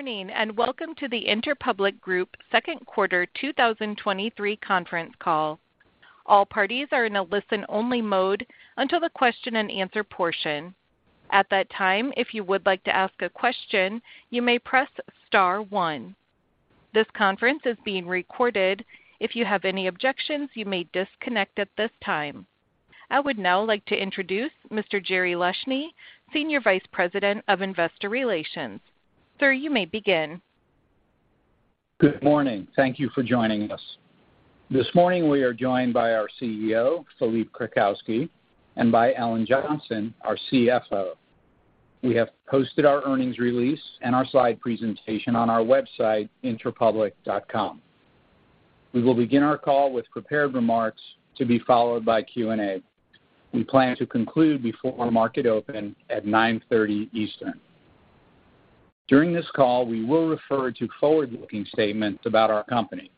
Good morning. Welcome to the Interpublic Group Second Quarter 2023 conference call. All parties are in a listen-only mode until the question-and-answer portion. At that time, if you would like to ask a question, you may press star one. This conference is being recorded. If you have any objections, you may disconnect at this time. I would now like to introduce Mr. Jerry Leshne, Senior Vice President of Investor Relations. Sir, you may begin. Good morning. Thank you for joining us. This morning, we are joined by our CEO, Philippe Krakowsky, and by Ellen Johnson, our CFO. We have posted our earnings release and our slide presentation on our website, interpublic.com. We will begin our call with prepared remarks to be followed by Q&A. We plan to conclude before market open at 9:30 A.M. Eastern. During this call, we will refer to forward-looking statements about our company.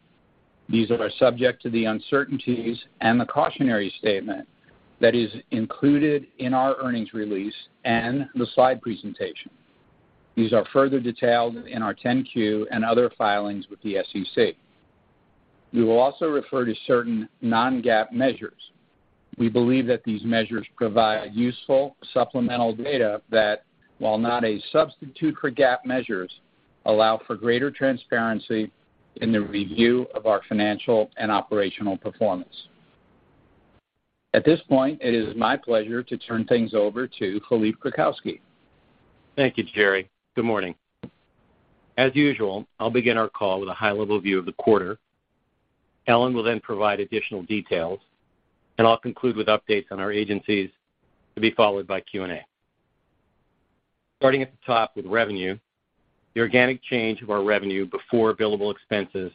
These are subject to the uncertainties and the cautionary statement that is included in our earnings release and the slide presentation. These are further detailed in our 10-Q and other filings with the SEC. We will also refer to certain non-GAAP measures. We believe that these measures provide useful supplemental data that, while not a substitute for GAAP measures, allow for greater transparency in the review of our financial and operational performance. At this point, it is my pleasure to turn things over to Philippe Krakowsky. Thank you, Jerry. Good morning. As usual, I'll begin our call with a high-level view of the quarter. Ellen will then provide additional details. I'll conclude with updates on our agencies, to be followed by Q&A. Starting at the top with revenue, the organic change of our revenue before billable expenses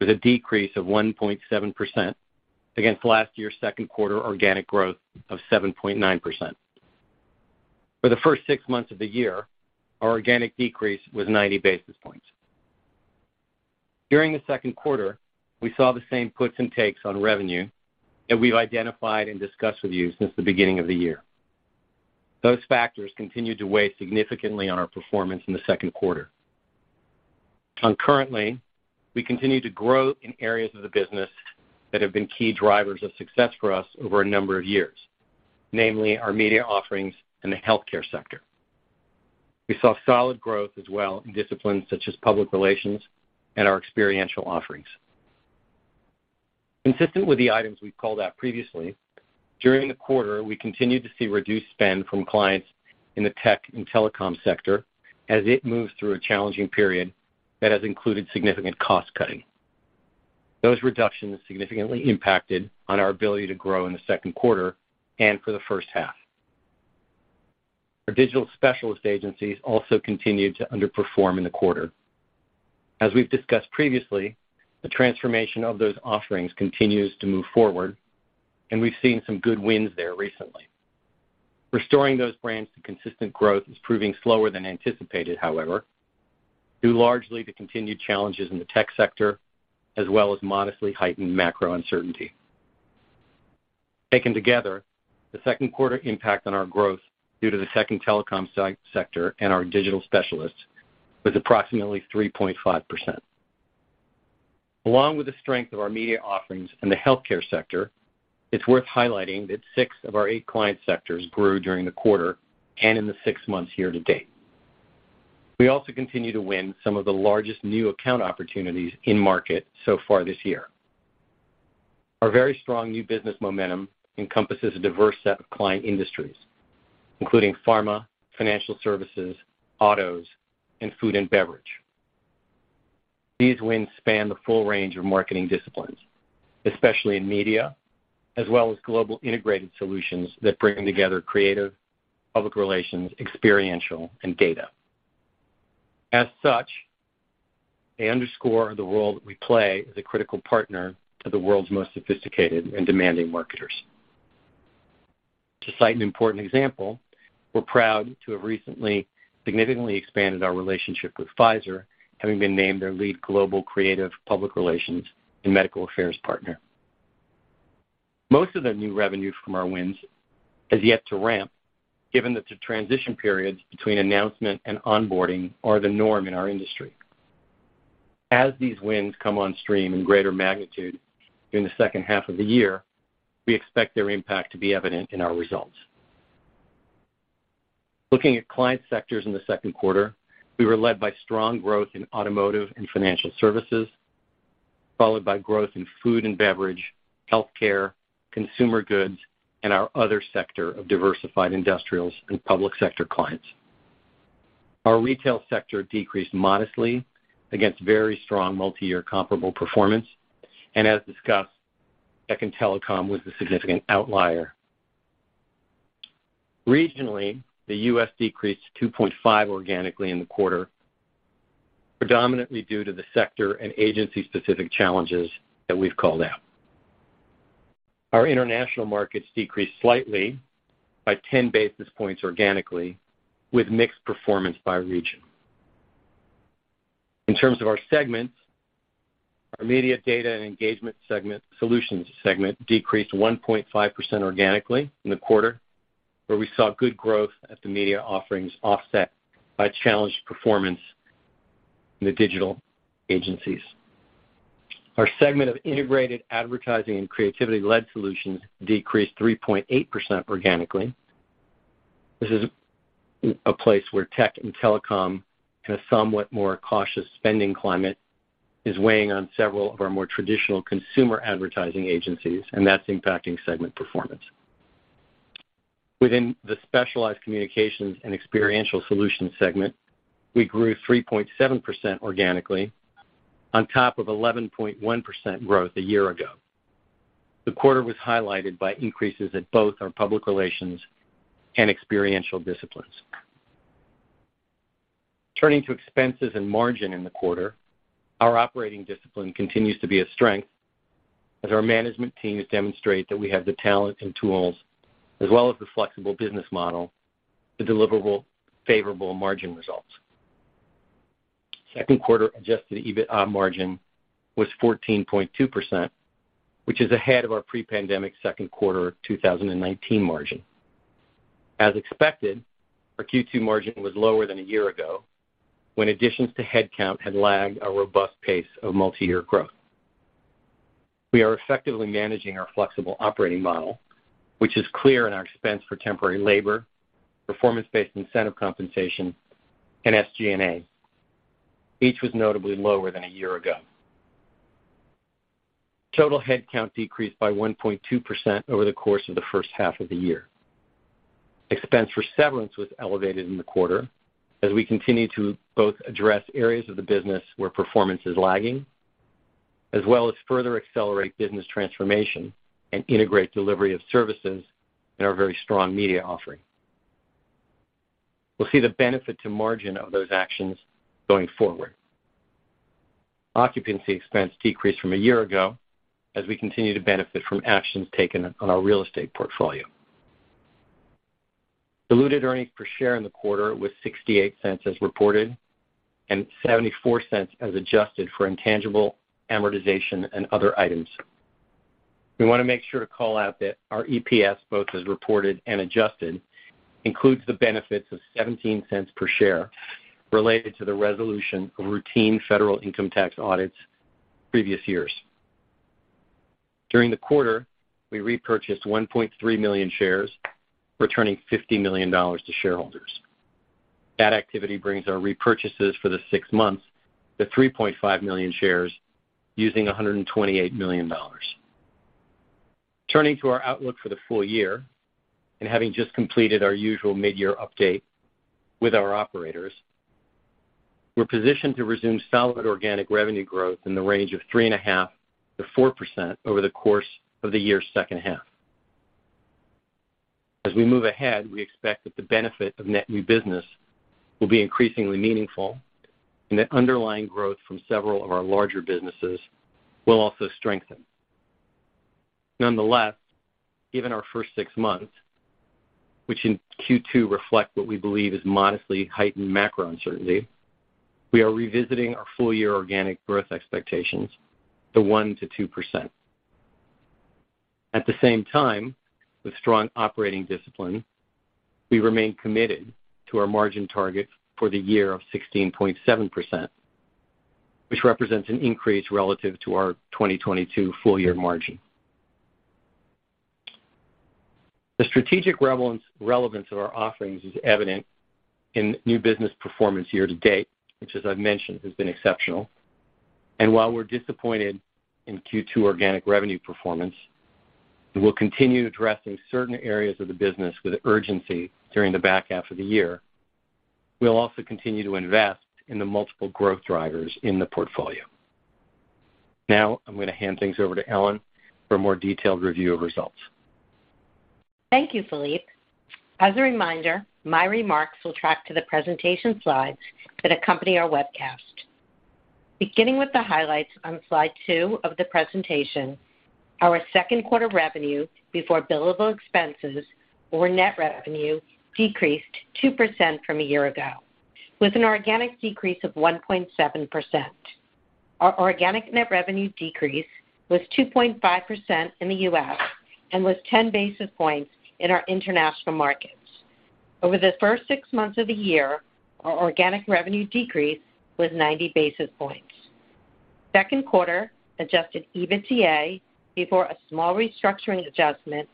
was a decrease of 1.7% against last year's second quarter organic growth of 7.9%. For the first six months of the year, our organic decrease was 90 basis points. During the second quarter, we saw the same puts and takes on revenue that we've identified and discussed with you since the beginning of the year. Those factors continued to weigh significantly on our performance in the second quarter. Concurrently, we continued to grow in areas of the business that have been key drivers of success for us over a number of years, namely our media offerings in the healthcare sector. We saw solid growth as well in disciplines such as public relations and our experiential offerings. Consistent with the items we've called out previously, during the quarter, we continued to see reduced spend from clients in the tech and telecom sector as it moves through a challenging period that has included significant cost cutting. Those reductions significantly impacted on our ability to grow in the second quarter and for the first half. Our digital specialist agencies also continued to underperform in the quarter. As we've discussed previously, the transformation of those offerings continues to move forward, and we've seen some good wins there recently. Restoring those brands to consistent growth is proving slower than anticipated, however, due largely to continued challenges in the tech sector, as well as modestly heightened macro uncertainty. Taken together, the second quarter impact on our growth due to the second telecom sector and our digital specialists was approximately 3.5%. Along with the strength of our media offerings in the healthcare sector, it's worth highlighting that six of our eight client sectors grew during the quarter and in the six months year to date. We also continue to win some of the largest new account opportunities in market so far this year. Our very strong new business momentum encompasses a diverse set of client industries, including pharma, financial services, autos, and food and beverage. These wins span the full range of marketing disciplines, especially in media, as well as global integrated solutions that bring together creative, public relations, experiential, and data. As such, they underscore the role that we play as a critical partner to the world's most sophisticated and demanding marketers. To cite an important example, we're proud to have recently significantly expanded our relationship with Pfizer, having been named their lead global creative, public relations, and medical affairs partner. Most of the new revenue from our wins is yet to ramp, given that the transition periods between announcement and onboarding are the norm in our industry. As these wins come on stream in greater magnitude during the second half of the year, we expect their impact to be evident in our results. Looking at client sectors in the second quarter, we were led by strong growth in automotive and financial services, followed by growth in food and beverage, healthcare, consumer goods, and our other sector of diversified industrials and public sector clients. Our retail sector decreased modestly against very strong multiyear comparable performance, as discussed, tech and telecom was a significant outlier. Regionally, the U.S. decreased 2.5% organically in the quarter, predominantly due to the sector and agency-specific challenges that we've called out. Our international markets decreased slightly by 10 basis points organically, with mixed performance by region. In terms of our segments. Our media data and engagement solutions segment decreased 1.5% organically in the quarter, where we saw good growth as the media offerings offset by challenged performance in the digital agencies. Our segment of integrated advertising and creativity-led solutions decreased 3.8% organically. This is a place where tech and telecom, in a somewhat more cautious spending climate, is weighing on several of our more traditional consumer advertising agencies, and that's impacting segment performance. Within the specialized communications and experiential solutions segment, we grew 3.7% organically on top of 11.1% growth a year ago. The quarter was highlighted by increases at both our public relations and experiential disciplines. Turning to expenses and margin in the quarter, our operating discipline continues to be a strength as our management teams demonstrate that we have the talent and tools, as well as the flexible business model, to deliver favorable margin results. Second quarter adjusted EBITDA margin was 14.2%, which is ahead of our pre-pandemic second quarter 2019 margin. As expected, our Q2 margin was lower than a year ago, when additions to headcount had lagged a robust pace of multi-year growth. We are effectively managing our flexible operating model, which is clear in our expense for temporary labor, performance-based incentive compensation, and SG&A. Each was notably lower than a year ago. Total headcount decreased by 1.2% over the course of the first half of the year. Expense for severance was elevated in the quarter as we continue to both address areas of the business where performance is lagging, as well as further accelerate business transformation and integrate delivery of services in our very strong media offering. We'll see the benefit to margin of those actions going forward. Occupancy expense decreased from a year ago as we continue to benefit from actions taken on our real estate portfolio. Diluted earnings per share in the quarter was $0.68 as reported, and $0.74 as adjusted for intangible amortization and other items. We want to make sure to call out that our EPS, both as reported and adjusted, includes the benefits of $0.17 per share related to the resolution of routine federal income tax audits, previous years. During the quarter, we repurchased $1.3 million shares, returning $50 million to shareholders. That activity brings our repurchases for the six months to $3.5 million shares, using $128 million. Turning to our outlook for the full year, having just completed our usual mid-year update with our operators, we're positioned to resume solid organic revenue growth in the range of 3.5%-4% over the course of the year's second half. As we move ahead, we expect that the benefit of net new business will be increasingly meaningful and that underlying growth from several of our larger businesses will also strengthen. Nonetheless, given our first six months, which in Q2 reflect what we believe is modestly heightened macro uncertainty, we are revisiting our full-year organic growth expectations to 1% to 2%. At the same time, with strong operating discipline, we remain committed to our margin target for the year of 16.7%, which represents an increase relative to our 2022 full-year margin. The strategic relevance of our offerings is evident in new business performance year to date, which, as I've mentioned, has been exceptional. While we're disappointed in Q2 organic revenue performance, we will continue addressing certain areas of the business with urgency during the back half of the year. We'll also continue to invest in the multiple growth drivers in the portfolio. I'm going to hand things over to Ellen for a more detailed review of results. Thank you, Philippe. As a reminder, my remarks will track to the presentation slides that accompany our webcast. Beginning with the highlights on slide two of the presentation, our second quarter revenue before billable expenses or net revenue decreased 2% from a year ago, with an organic decrease of 1.7%. Our organic net revenue decrease was 2.5% in the U.S. and was 10 basis points in our international markets. Over the first six months of the year, our organic revenue decrease was 90 basis points. Second quarter adjusted EBITDA, before a small restructuring adjustment,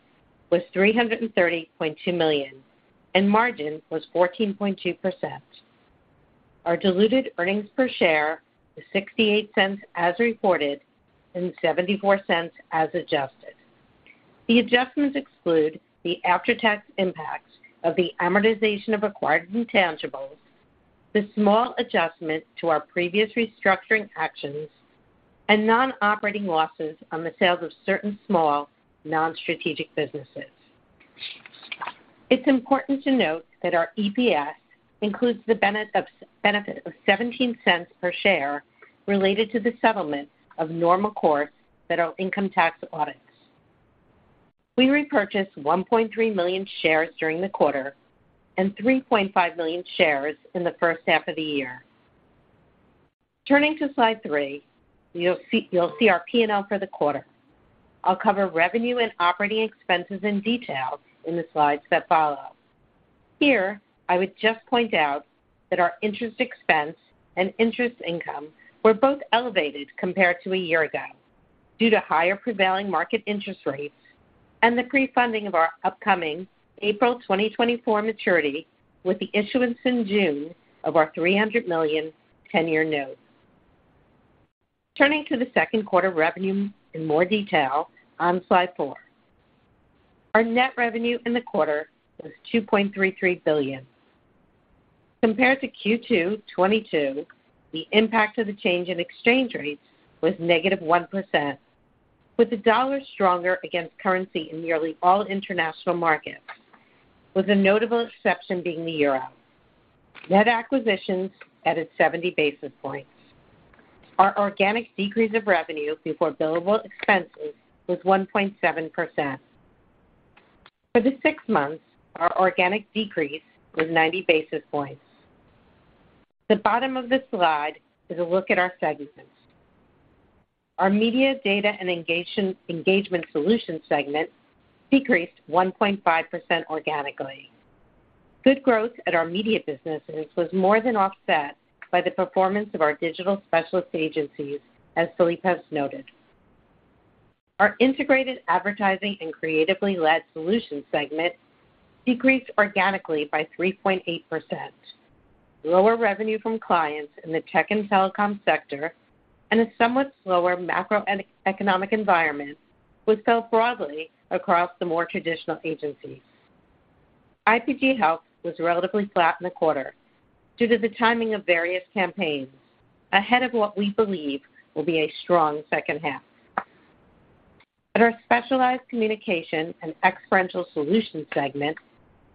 was $330.2 million, and margin was 14.2%. Our diluted earnings per share was $0.68 as reported and $0.74 as adjusted. The adjustments exclude the after-tax impacts of the amortization of acquired intangibles, the small adjustment to our previous restructuring actions, and non-operating losses on the sales of certain small non-strategic businesses. It's important to note that our EPS includes the benefit of $0.17 per share related to the settlement of normal course federal income tax audits. We repurchased $1.3 million shares during the quarter, and $3.5 million shares in the first half of the year. Turning to slide three, you'll see our P&L for the quarter. I'll cover revenue and operating expenses in detail in the slides that follow. Here, I would just point out that our interest expense and interest income were both elevated compared to a year ago, due to higher prevailing market interest rates and the prefunding of our upcoming April 2024 maturity, with the issuance in June of our $300 million ten-year note. Turning to the second quarter revenue in more detail on Slide four. Our net revenue in the quarter was $2.33 billion. Compared to Q2 2022, the impact of the change in exchange rates was negative 1%, with the dollar stronger against currency in nearly all international markets, with the notable exception being the EUR. Net acquisitions added 70 basis points. Our organic decrease of revenue before billable expenses was 1.7%. For the six months, our organic decrease was 90 basis points. The bottom of this slide is a look at our segments. Our media, data, and engagement solutions segment decreased 1.5% organically. Good growth at our media businesses was more than offset by the performance of our digital specialist agencies, as Philippe has noted. Our integrated advertising and creatively led solutions segment decreased organically by 3.8%. Lower revenue from clients in the tech and telecom sector and a somewhat slower macroeconomic environment was felt broadly across the more traditional agencies. IPG Health was relatively flat in the quarter due to the timing of various campaigns, ahead of what we believe will be a strong second half. At our specialized communication and experiential solutions segment,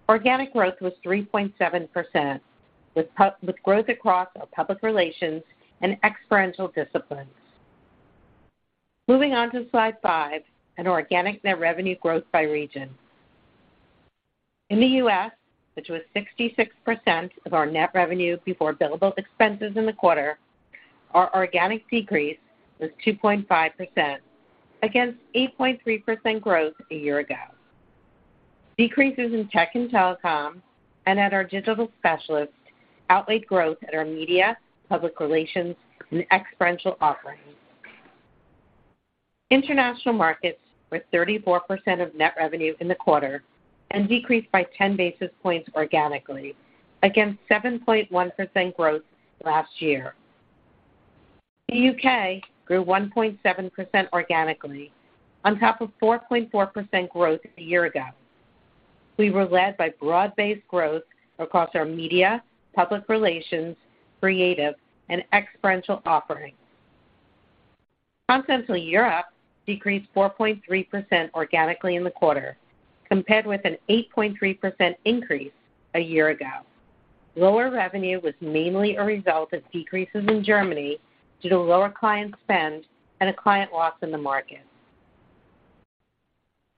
organic growth was 3.7%, with growth across our public relations and experiential disciplines. Moving on to Slide five, organic net revenue growth by region. In the U.S., which was 66% of our net revenue before billable expenses in the quarter, our organic decrease was 2.5% against 8.3% growth a year ago. Decreases in tech and telecom and at our digital specialists outlaid growth at our media, public relations, and experiential offerings. International markets were 34% of net revenue in the quarter and decreased by 10 basis points organically against 7.1% growth last year. The U.K. grew 1.7% organically, on top of 4.4% growth a year ago. We were led by broad-based growth across our media, public relations, creative, and experiential offerings. Continental Europe decreased 4.3% organically in the quarter, compared with an 8.3% increase a year ago. Lower revenue was mainly a result of decreases in Germany due to lower client spend and a client loss in the market.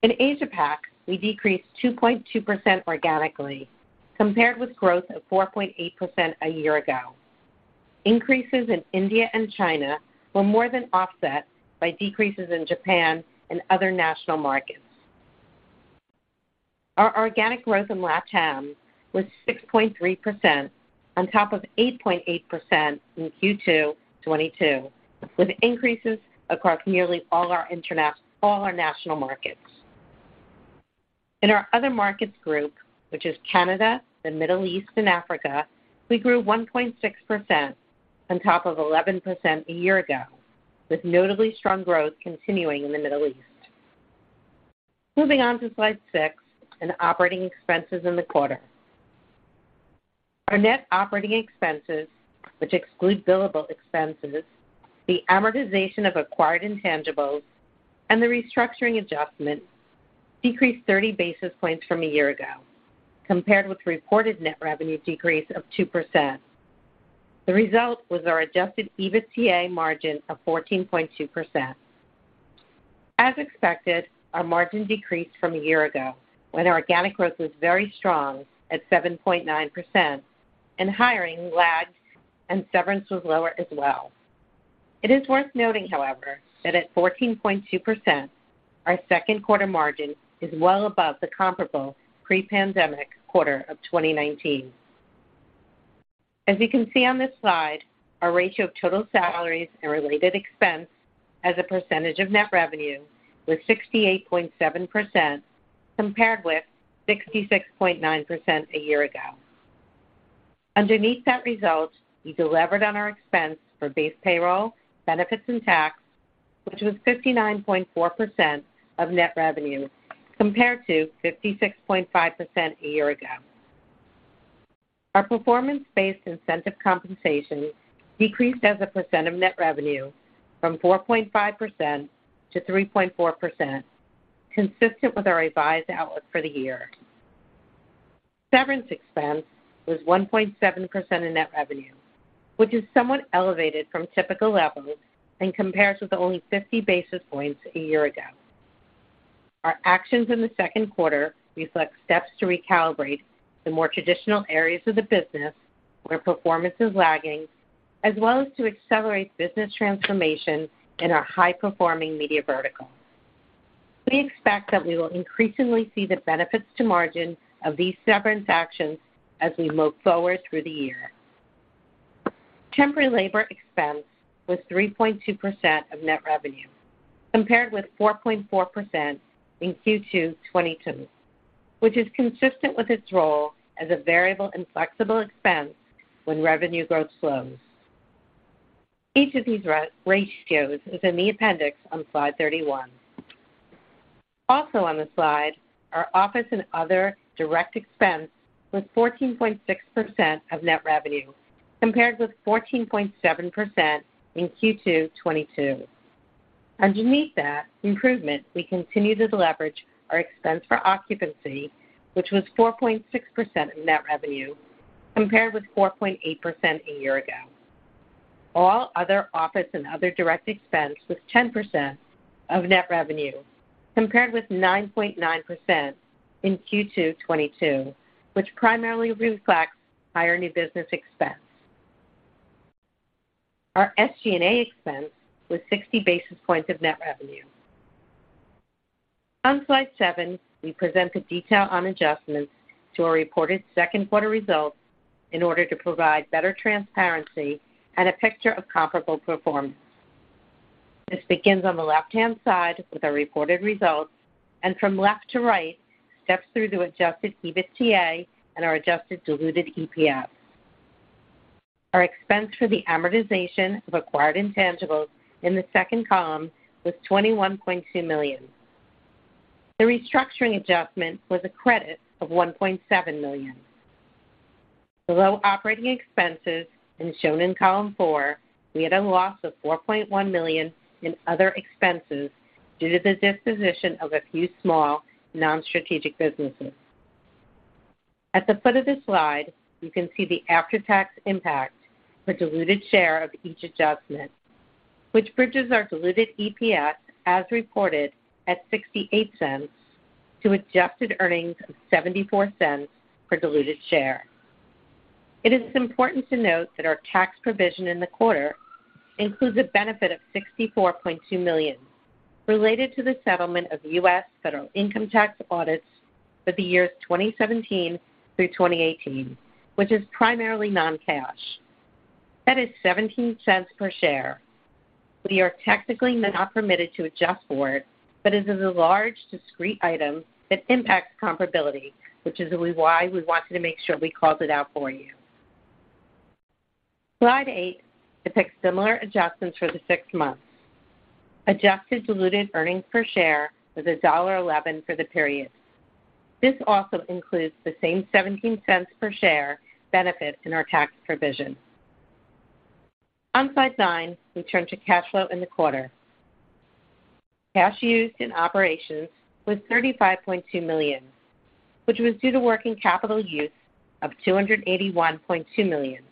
In Asia Pac, we decreased 2.2% organically, compared with growth of 4.8% a year ago. Increases in India and China were more than offset by decreases in Japan and other national markets. Our organic growth in LATAM was 6.3%, on top of 8.8% in Q2 2022, with increases across nearly all our national markets. In our other markets group, which is Canada, the Middle East, and Africa, we grew 1.6% on top of 11% a year ago, with notably strong growth continuing in the Middle East. Moving on to slide six and operating expenses in the quarter. Our net operating expenses, which exclude billable expenses, the amortization of acquired intangibles, and the restructuring adjustments, decreased 30 basis points from a year ago, compared with the reported net revenue decrease of 2%. The result was our adjusted EBITDA margin of 14.2%. As expected, our margin decreased from a year ago, when our organic growth was very strong at 7.9%, and hiring lagged and severance was lower as well. It is worth noting, however, that at 14.2%, our second quarter margin is well above the comparable pre-pandemic quarter of 2019. As you can see on this slide, our ratio of total salaries and related expense as a percentage of net revenue was 68.7%, compared with 66.9% a year ago. Underneath that result, we delivered on our expense for base payroll, benefits, and tax, which was 59.4% of net revenue, compared to 56.5% a year ago. Our performance-based incentive compensation decreased as a percent of net revenue from 4.5% to 3.4%, consistent with our revised outlook for the year. Severance expense was 1.7% of net revenue, which is somewhat elevated from typical levels and compares with only 50 basis points a year ago. Our actions in the second quarter reflect steps to recalibrate the more traditional areas of the business where performance is lagging, as well as to accelerate business transformation in our high-performing media verticals. We expect that we will increasingly see the benefits to margin of these severance actions as we move forward through the year. Temporary labor expense was 3.2% of net revenue, compared with 4.4% in Q2 2022, which is consistent with its role as a variable and flexible expense when revenue growth slows. Each of these re-ratios is in the appendix on slide 31. On the slide, our office and other direct expense was 14.6% of net revenue, compared with 14.7% in Q2 2022. Underneath that improvement, we continue to leverage our expense for occupancy, which was 4.6% of net revenue, compared with 4.8% a year ago. All other office and other direct expense was 10% of net revenue, compared with 9.9% in Q2 2022, which primarily reflects higher new business expense. Our SG&A expense was 60 basis points of net revenue. On slide seven, we presented detail on adjustments to our reported second quarter results in order to provide better transparency and a picture of comparable performance. This begins on the left-hand side with our reported results, from left to right, steps through to adjusted EBITDA and our adjusted diluted EPS. Our expense for the amortization of acquired intangibles in the second column was $21.2 million. The restructuring adjustment was a credit of $1.7 million. Below operating expenses and shown in column four, we had a loss of $4.1 million in other expenses due to the disposition of a few small non-strategic businesses. At the foot of the slide, you can see the after-tax impact for diluted share of each adjustment, which bridges our diluted EPS as reported at $0.68 to adjusted earnings of $0.74 per diluted share. It is important to note that our tax provision in the quarter includes a benefit of $64.2 million, related to the settlement of U.S. federal income tax audits for the years 2017 through 2018, which is primarily non-cash. That is $0.17 per share. It is technically not permitted to adjust for it, but it is a large discrete item that impacts comparability, which is really why we wanted to make sure we called it out for you. Slide eight depicts similar adjustments for the six months. Adjusted diluted earnings per share was $1.11 for the period. This also includes the same $0.17 per share benefit in our tax provision. On Slide nine, we turn to cash flow in the quarter. Cash used in operations was $35.2 million, which was due to working capital use of $281.2 million.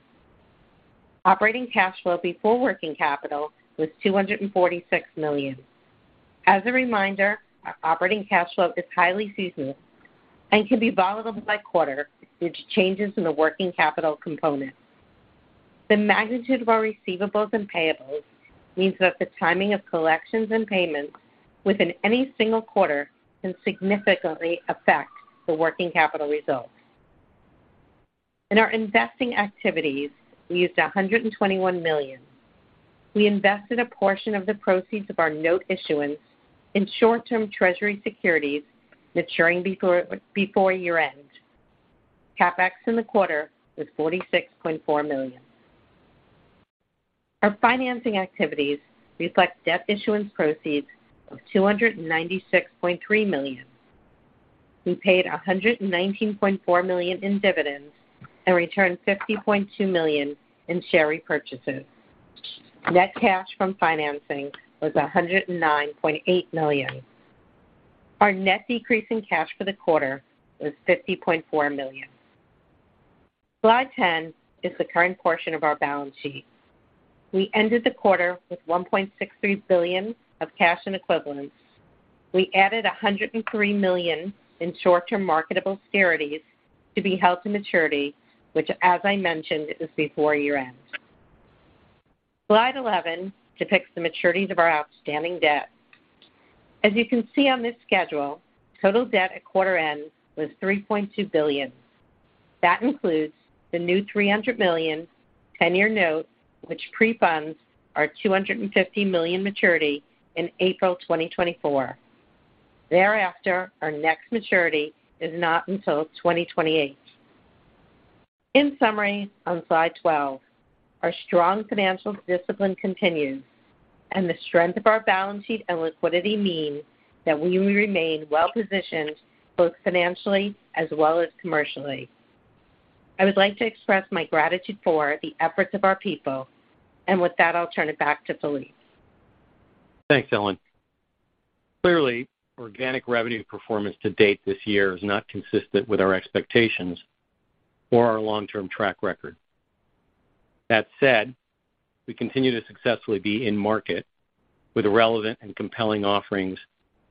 Operating cash flow before working capital was $246 million. As a reminder, our operating cash flow is highly seasonal and can be volatile by quarter, due to changes in the working capital component. The magnitude of our receivables and payables means that the timing of collections and payments within any single quarter can significantly affect the working capital results. In our investing activities, we used $121 million. We invested a portion of the proceeds of our note issuance in short-term Treasury securities maturing before year-end. CapEx in the quarter was $46.4 million. Our financing activities reflect debt issuance proceeds of $296.3 million. We paid $119.4 million in dividends and returned $50.2 million in share repurchases. Net cash from financing was $109.8 million. Our net decrease in cash for the quarter was $50.4 million. Slide 10 is the current portion of our balance sheet. We ended the quarter with $1.63 billion of cash and equivalents. We added $103 million in short-term marketable securities to be held to maturity, which, as I mentioned, is before year-end. Slide 11 depicts the maturities of our outstanding debt. As you can see on this schedule, total debt at quarter-end was $3.2 billion. That includes the new $300 million 10-year note, which pre-funds our $250 million maturity in April 2024. Thereafter, our next maturity is not until 2028. In summary, on slide 12, our strong financial discipline continues, and the strength of our balance sheet and liquidity mean that we will remain well-positioned, both financially as well as commercially. I would like to express my gratitude for the efforts of our people, and with that, I'll turn it back to Philippe. Thanks, Ellen. Clearly, organic revenue performance to date this year is not consistent with our expectations or our long-term track record. That said, we continue to successfully be in market with relevant and compelling offerings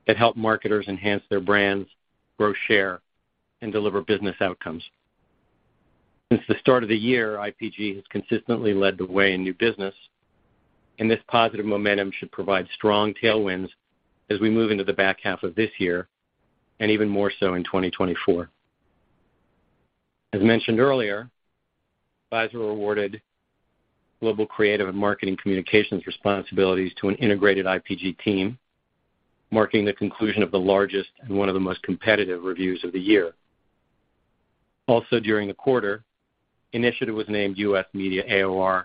that help marketers enhance their brands, grow share, and deliver business outcomes. Since the start of the year, IPG has consistently led the way in new business, and this positive momentum should provide strong tailwinds as we move into the back half of this year and even more so in 2024. As mentioned earlier, Pfizer awarded global creative and marketing communications responsibilities to an integrated IPG team, marking the conclusion of the largest and one of the most competitive reviews of the year. Also, during the quarter, Initiative was named US Media AOR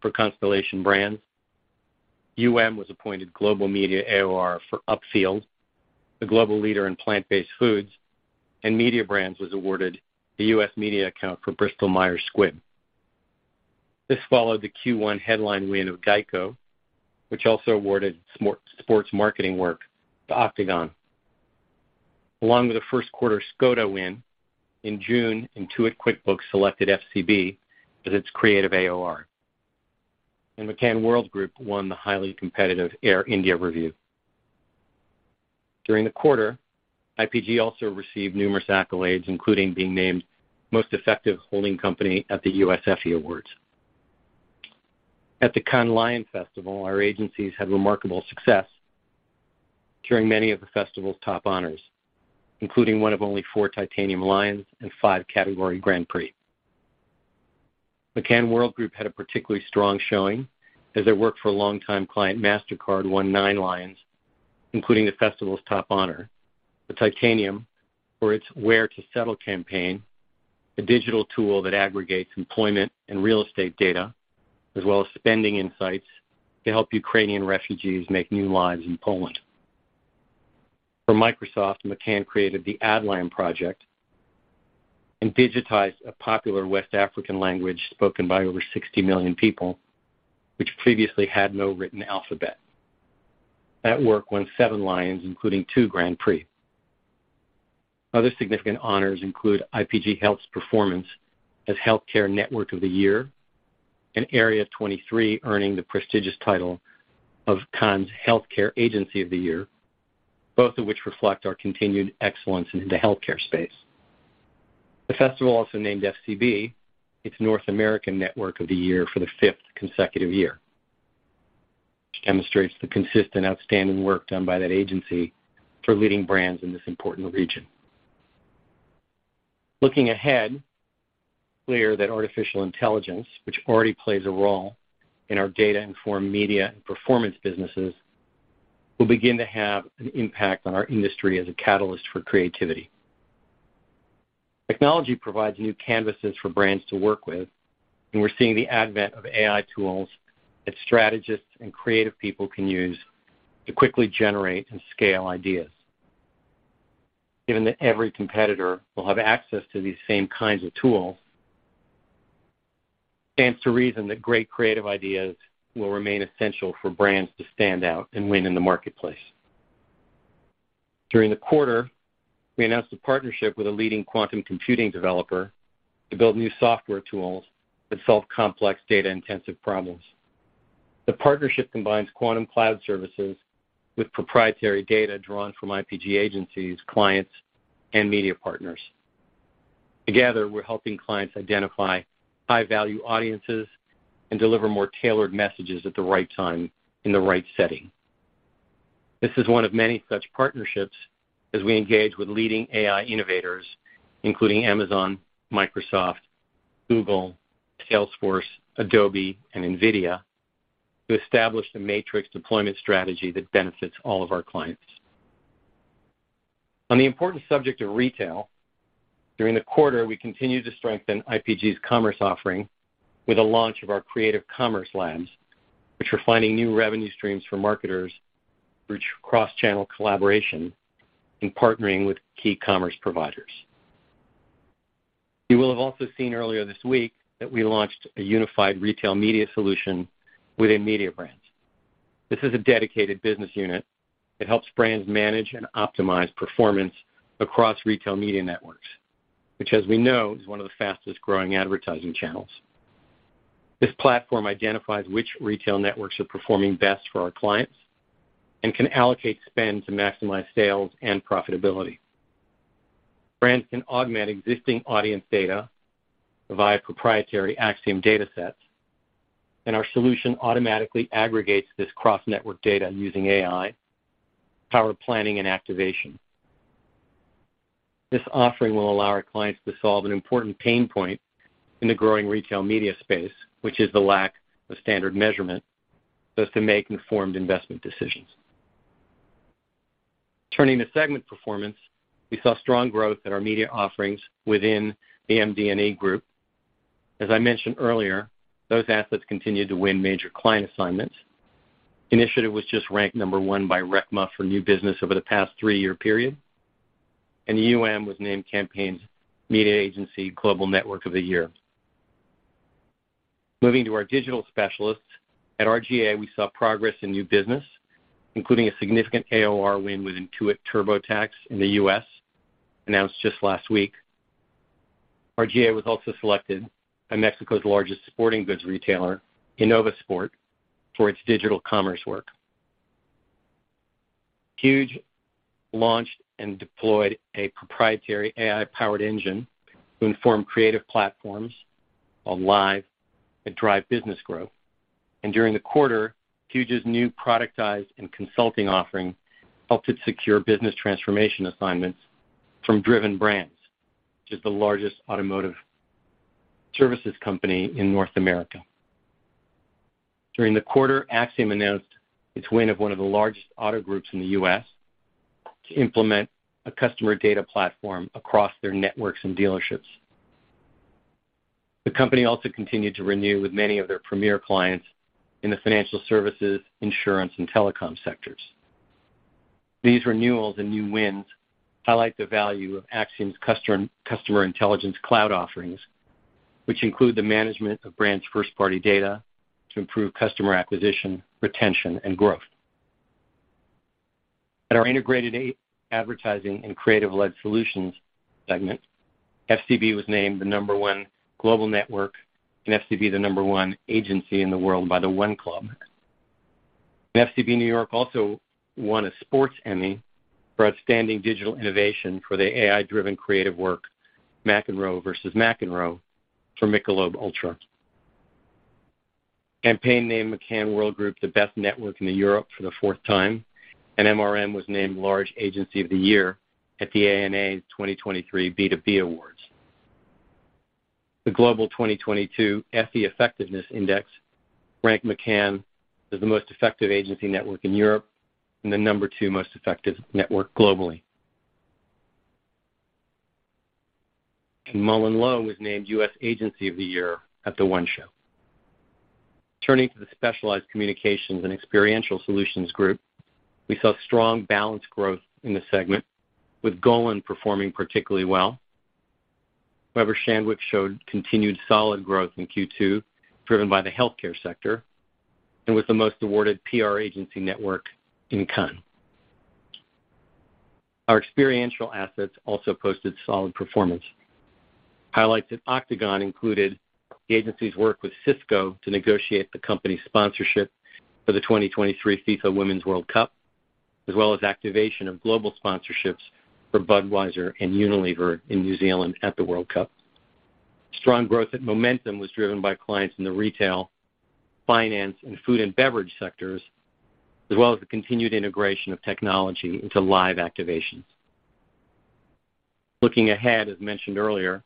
for Constellation Brands. UM was appointed Global Media AOR for Upfield, the global leader in plant-based foods. Mediabrands was awarded the U.S. media account for Bristol-Myers Squibb. This followed the Q1 headline win of GEICO, which also awarded sports marketing work to Octagon. Along with the first quarter Škoda win, in June, Intuit QuickBooks selected FCB as its creative AOR. McCann Worldgroup won the highly competitive Air India review. During the quarter, IPG also received numerous accolades, including being named Most Effective Holding Company at the U.S. Effie Awards. At the Cannes Lions Festival, our agencies had remarkable success, carrying many of the festival's top honors, including one of only four Titanium Lions and five category Grand Prix. McCann Worldgroup had a particularly strong showing as their work for a long-time client, Mastercard, won nine Lions, including the festival's top honor, the Titanium, for its Where to Settle campaign, a digital tool that aggregates employment and real estate data, as well as spending insights to help Ukrainian refugees make new lives in Poland. For Microsoft, McCann created the ADLaM Project and digitized a popular West African language spoken by over 60 million people, which previously had no written alphabet. That work won seven Lions, including two Grand Prix. Other significant honors include IPG Health's performance as Healthcare Network of the Year, and AREA 23 earning the prestigious title of Cannes Healthcare Agency of the Year, both of which reflect our continued excellence in the healthcare space. The festival also named FCB its North American Network of the Year for the fifth consecutive year, which demonstrates the consistent, outstanding work done by that agency for leading brands in this important region. Looking ahead, it's clear that artificial intelligence, which already plays a role in our data-informed media and performance businesses, will begin to have an impact on our industry as a catalyst for creativity. Technology provides new canvases for brands to work with, and we're seeing the advent of AI tools that strategists and creative people can use to quickly generate and scale ideas. Given that every competitor will have access to these same kinds of tools, stands to reason that great creative ideas will remain essential for brands to stand out and win in the marketplace. During the quarter, we announced a partnership with a leading quantum computing developer to build new software tools that solve complex data-intensive problems. The partnership combines quantum cloud services with proprietary data drawn from IPG agencies, clients, and media partners. Together, we're helping clients identify high-value audiences and deliver more tailored messages at the right time, in the right setting. This is one of many such partnerships as we engage with leading AI innovators, including Amazon, Microsoft, Google, Salesforce, Adobe, and NVIDIA, to establish the matrix deployment strategy that benefits all of our clients. On the important subject of retail, during the quarter, we continued to strengthen IPG's commerce offering with the launch of our Creative Commerce Labs, which are finding new revenue streams for marketers through cross-channel collaboration and partnering with key commerce providers. You will have also seen earlier this week that we launched a unified retail media solution within Media Brands. This is a dedicated business unit. It helps brands manage and optimize performance across retail media networks, which, as we know, is one of the fastest-growing advertising channels. This platform identifies which retail networks are performing best for our clients and can allocate spend to maximize sales and profitability. Brands can augment existing audience data via proprietary Acxiom datasets, and our solution automatically aggregates this cross-network data using AI, power planning, and activation. This offering will allow our clients to solve an important pain point in the growing retail media space, which is the lack of standard measurement, so as to make informed investment decisions. Turning to segment performance, we saw strong growth in our media offerings within the MD&A group. As I mentioned earlier, those assets continued to win major client assignments. Initiative was just ranked number one by RECMA for new business over the past three-year period, and UM was named Campaign's Media Agency Global Network of the Year. Moving to our digital specialists, at R/GA, we saw progress in new business, including a significant AOR win with Intuit TurboTax in the U.S., announced just last week. R/GA was also selected by Mexico's largest sporting goods retailer, Innovasport, for its digital commerce work. Huge launched and deployed a proprietary AI-powered engine to inform creative platforms on live and drive business growth. During the quarter, Huge's new productized and consulting offering helped it secure business transformation assignments from Driven Brands, which is the largest automotive services company in North America. During the quarter, Acxiom announced its win of 1one of the largest auto groups in the U.S. to implement a customer data platform across their networks and dealerships. The company also continued to renew with many of their premier clients in the financial services, insurance, and telecom sectors. These renewals and new wins highlight the value of Acxiom's Customer Intelligence Cloud offerings, which include the management of brands' first-party data to improve customer acquisition, retention, and growth. At our integrated advertising and creative-led solutions segment, FCB was named the number one global network, and FCB, the number one agency in the world by The One Club. FCB New York also won a Sports Emmy for Outstanding Digital Innovation for the AI-driven creative work, McEnroe vs. McEnroe, for Michelob ULTRA. Campaign named McCann Worldgroup the best network in Europe for the 4th time. MRM was named Large Agency of the Year at the ANA's 2023 B2B Awards. The global 2022 Effie Effectiveness Index ranked McCann as the most effective agency network in Europe and the number two most effective network globally. MullenLowe was named U.S. Agency of the Year at The One Show. Turning to the specialized communications and experiential solutions group, we saw strong balanced growth in the segment, with Golin performing particularly well. Weber Shandwick showed continued solid growth in Q2, driven by the healthcare sector, was the most awarded PR agency network in Cannes. Our experiential assets also posted solid performance. Highlights at Octagon included the agency's work with Cisco to negotiate the company's sponsorship for the 2023 FIFA Women's World Cup, as well as activation of global sponsorships for Budweiser and Unilever in New Zealand at the World Cup. Strong growth at Momentum was driven by clients in the retail, finance, and food and beverage sectors, as well as the continued integration of technology into live activations. Looking ahead, as mentioned earlier,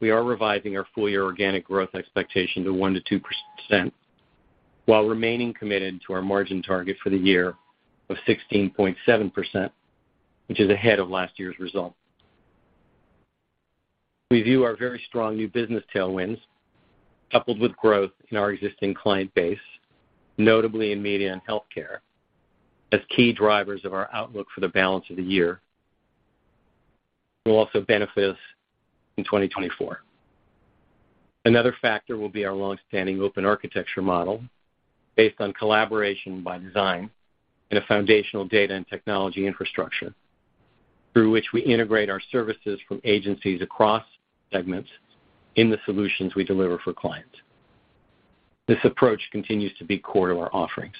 we are revising our full-year organic growth expectation to 1%-2%, while remaining committed to our margin target for the year of 16.7%, which is ahead of last year's result. We view our very strong new business tailwinds, coupled with growth in our existing client base, notably in media and healthcare, as key drivers of our outlook for the balance of the year, will also benefit us in 2024. Another factor will be our long-standing Open Architecture model, based on collaboration by design and a foundational data and technology infrastructure, through which we integrate our services from agencies across segments in the solutions we deliver for clients. This approach continues to be core to our offerings.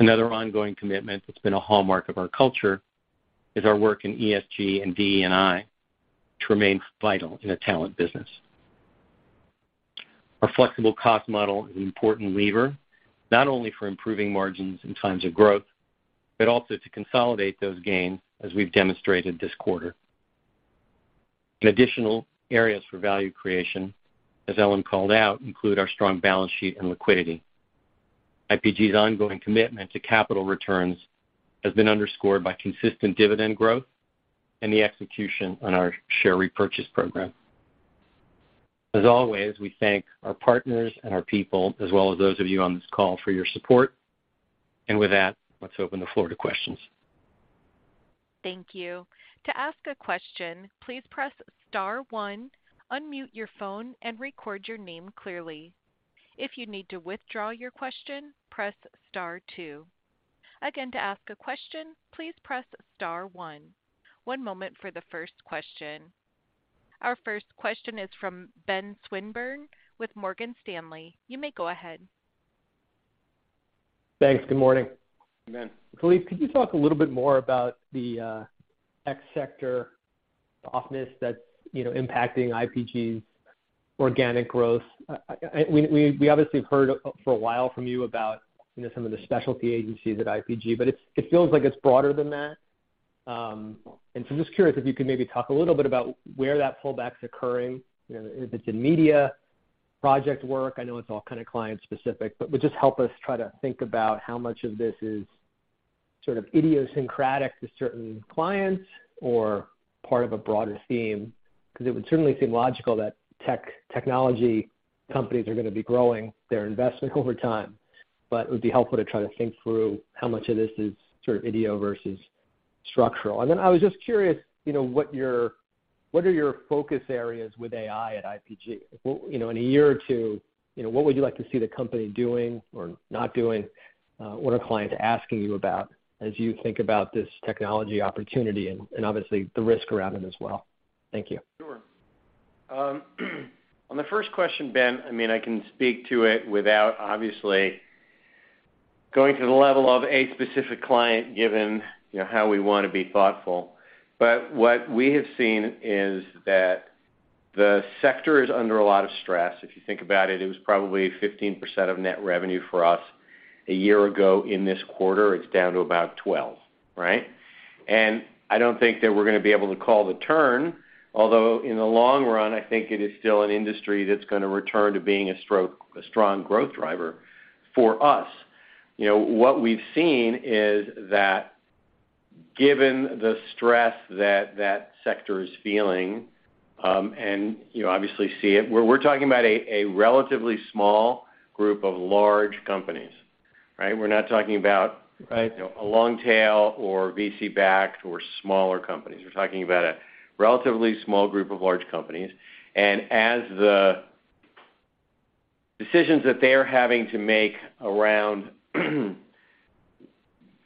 Another ongoing commitment that's been a hallmark of our culture is our work in ESG and DE&I, which remains vital in a talent business. Our flexible cost model is an important lever, not only for improving margins in times of growth, but also to consolidate those gains, as we've demonstrated this quarter. Additional areas for value creation, as Ellen called out, include our strong balance sheet and liquidity. IPG's ongoing commitment to capital returns has been underscored by consistent dividend growth and the execution on our share repurchase program. As always, we thank our partners and our people, as well as those of you on this call, for your support. With that, let's open the floor to questions. Thank you. To ask a question, please press star one, unmute your phone, and record your name clearly. If you need to withdraw your question, press star two. Again, to ask a question, please press star one. One moment for the first question. Our first question is from Ben Swinburne with Morgan Stanley. You may go ahead. Thanks. Good morning. Good morning. Philippe, could you talk a little bit more about the ex-sector softness that's, you know, impacting IPG's organic growth? We obviously have heard for a while from you about, you know, some of the specialty agencies at IPG, but it feels like it's broader than that. I'm just curious if you could maybe talk a little bit about where that pullback is occurring, you know, if it's in media, project work. I know it's all kind of client-specific, but would just help us try to think about how much of this is sort of idiosyncratic to certain clients or part of a broader theme. It would certainly seem logical that technology companies are going to be growing their investment over time, but it would be helpful to try to think through how much of this is sort of idio versus structural. I was just curious, you know, what are your focus areas with AI at IPG? you know, in a year or two, you know, what would you like to see the company doing or not doing? What are clients asking you about as you think about this technology opportunity and, obviously the risk around it as well? Thank you. Sure. On the first question, Ben, I mean, I can speak to it without obviously going to the level of a specific client, given, you know, how we want to be thoughtful. What we have seen is that the sector is under a lot of stress. If you think about it was probably 15% of net revenue for us a year ago in this quarter, it's down to about 12%, right? I don't think that we're going to be able to call the turn, although in the long run, I think it is still an industry that's going to return to being a strong growth driver for us. You know, what we've seen is that given the stress that that sector is feeling, and, you know, obviously see it, we're talking about a relatively small group of large companies, right? We're not talking about- Right You know, a long tail, or VC-backed, or smaller companies. We're talking about a relatively small group of large companies. As the decisions that they are having to make around,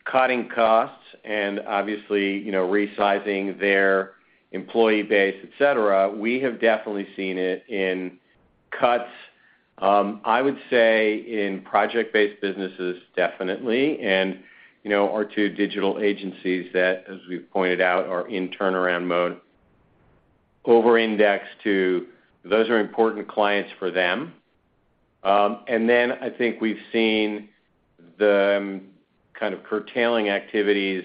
cutting costs and obviously, you know, resizing their employee base, et cetera, we have definitely seen it in cuts, I would say, in project-based businesses, definitely, and, you know, our two digital agencies that, as we've pointed out, are in turnaround mode, over-indexed to. Those are important clients for them. Then I think we've seen the kind of curtailing activities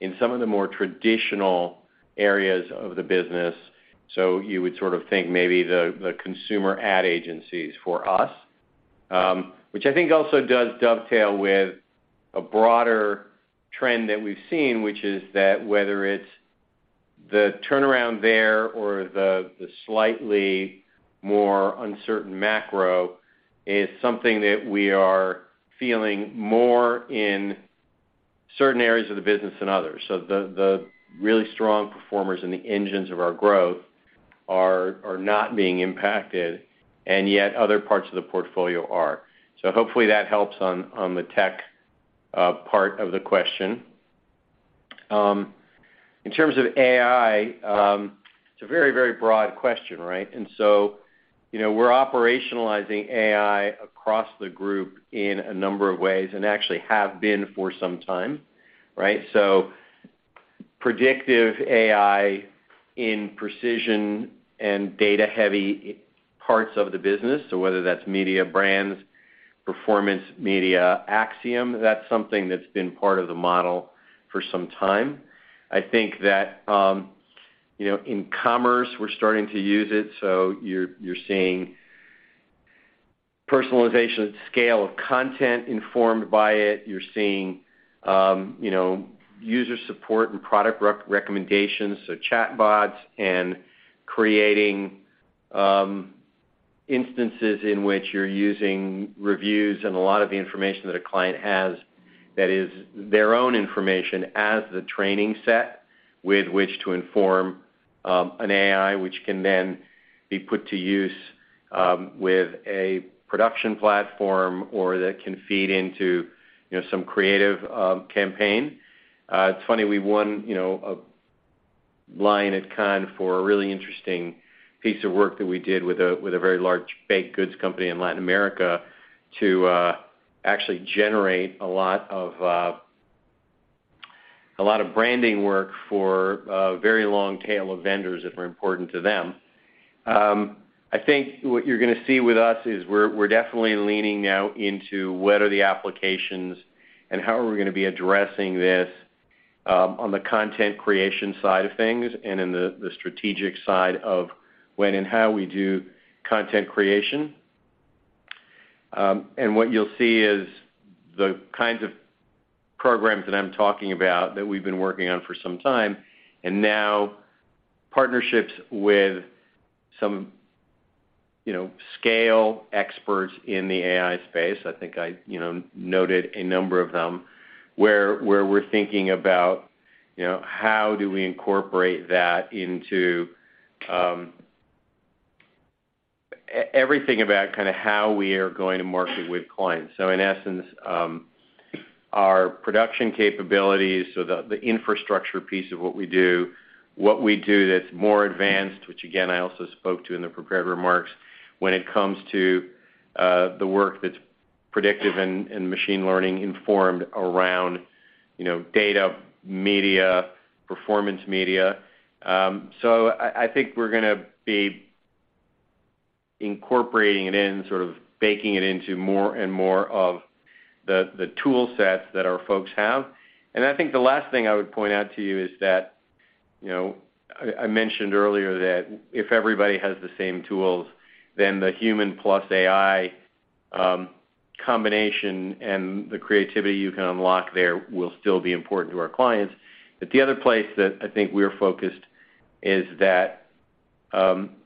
in some of the more traditional areas of the business, so you would sort of think maybe the consumer ad agencies for us. Which I think also does dovetail with a broader trend that we've seen, which is that whether it's the turnaround there or the slightly more uncertain macro, is something that we are feeling more in certain areas of the business than others. The really strong performers and the engines of our growth are not being impacted, and yet other parts of the portfolio are. Hopefully that helps on the tech part of the question. In terms of AI, it's a very, very broad question, right? You know, we're operationalizing AI across the group in a number of ways, and actually have been for some time, right? Predictive AI in precision and data-heavy parts of the business, so whether that's media brands, performance media, Acxiom, that's something that's been part of the model for some time. I think that, you know, in commerce, we're starting to use it, so you're seeing personalization at scale of content informed by it. You're seeing, you know, user support and product recommendations, so chatbots and creating instances in which you're using reviews and a lot of the information that a client has that is their own information as the training set, with which to inform an AI, which can then be put to use with a production platform or that can feed into, you know, some creative campaign. It's funny, we won, you know, a lion at Cannes for a really interesting piece of work that we did with a very large baked goods company in Latin America to actually generate a lot of branding work for a very long tail of vendors that were important to them. I think what you're going to see with us is we're definitely leaning now into what are the applications and how are we going to be addressing this on the content creation side of things and in the strategic side of when and how we do content creation. What you'll see is the kinds of programs that I'm talking about that we've been working on for some time, now partnerships with some, you know, scale experts in the AI space, I think I, you know, noted a number of them, where we're thinking about, you know, how do we incorporate that into everything about kind of how we are going to market with clients. In essence, our production capabilities, so the infrastructure piece of what we do, what we do that's more advanced, which again, I also spoke to in the prepared remarks, when it comes to the work that's predictive and machine learning informed around, you know, data, media, performance media. I think we're going to be incorporating it in, sort of baking it into more and more of the tool sets that our folks have. I think the last thing I would point out to you is that, you know, I mentioned earlier that if everybody has the same tools, then the human plus AI combination and the creativity you can unlock there will still be important to our clients. The other place that I think we're focused is that.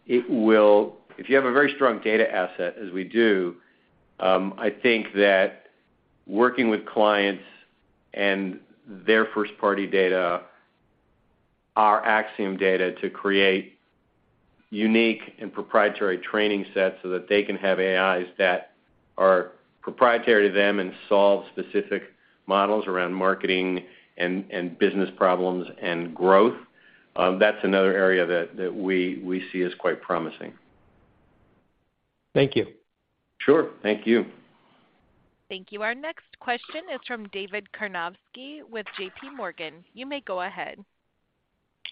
It will, if you have a very strong data asset, as we do, I think that working with clients and their first-party data, our Acxiom data, to create unique and proprietary training sets so that they can have AIs that are proprietary to them and solve specific models around marketing and business problems and growth, that's another area that we see as quite promising. Thank you. Sure. Thank you. Thank you. Our next question is from David Karnovsky with JPMorgan. You may go ahead.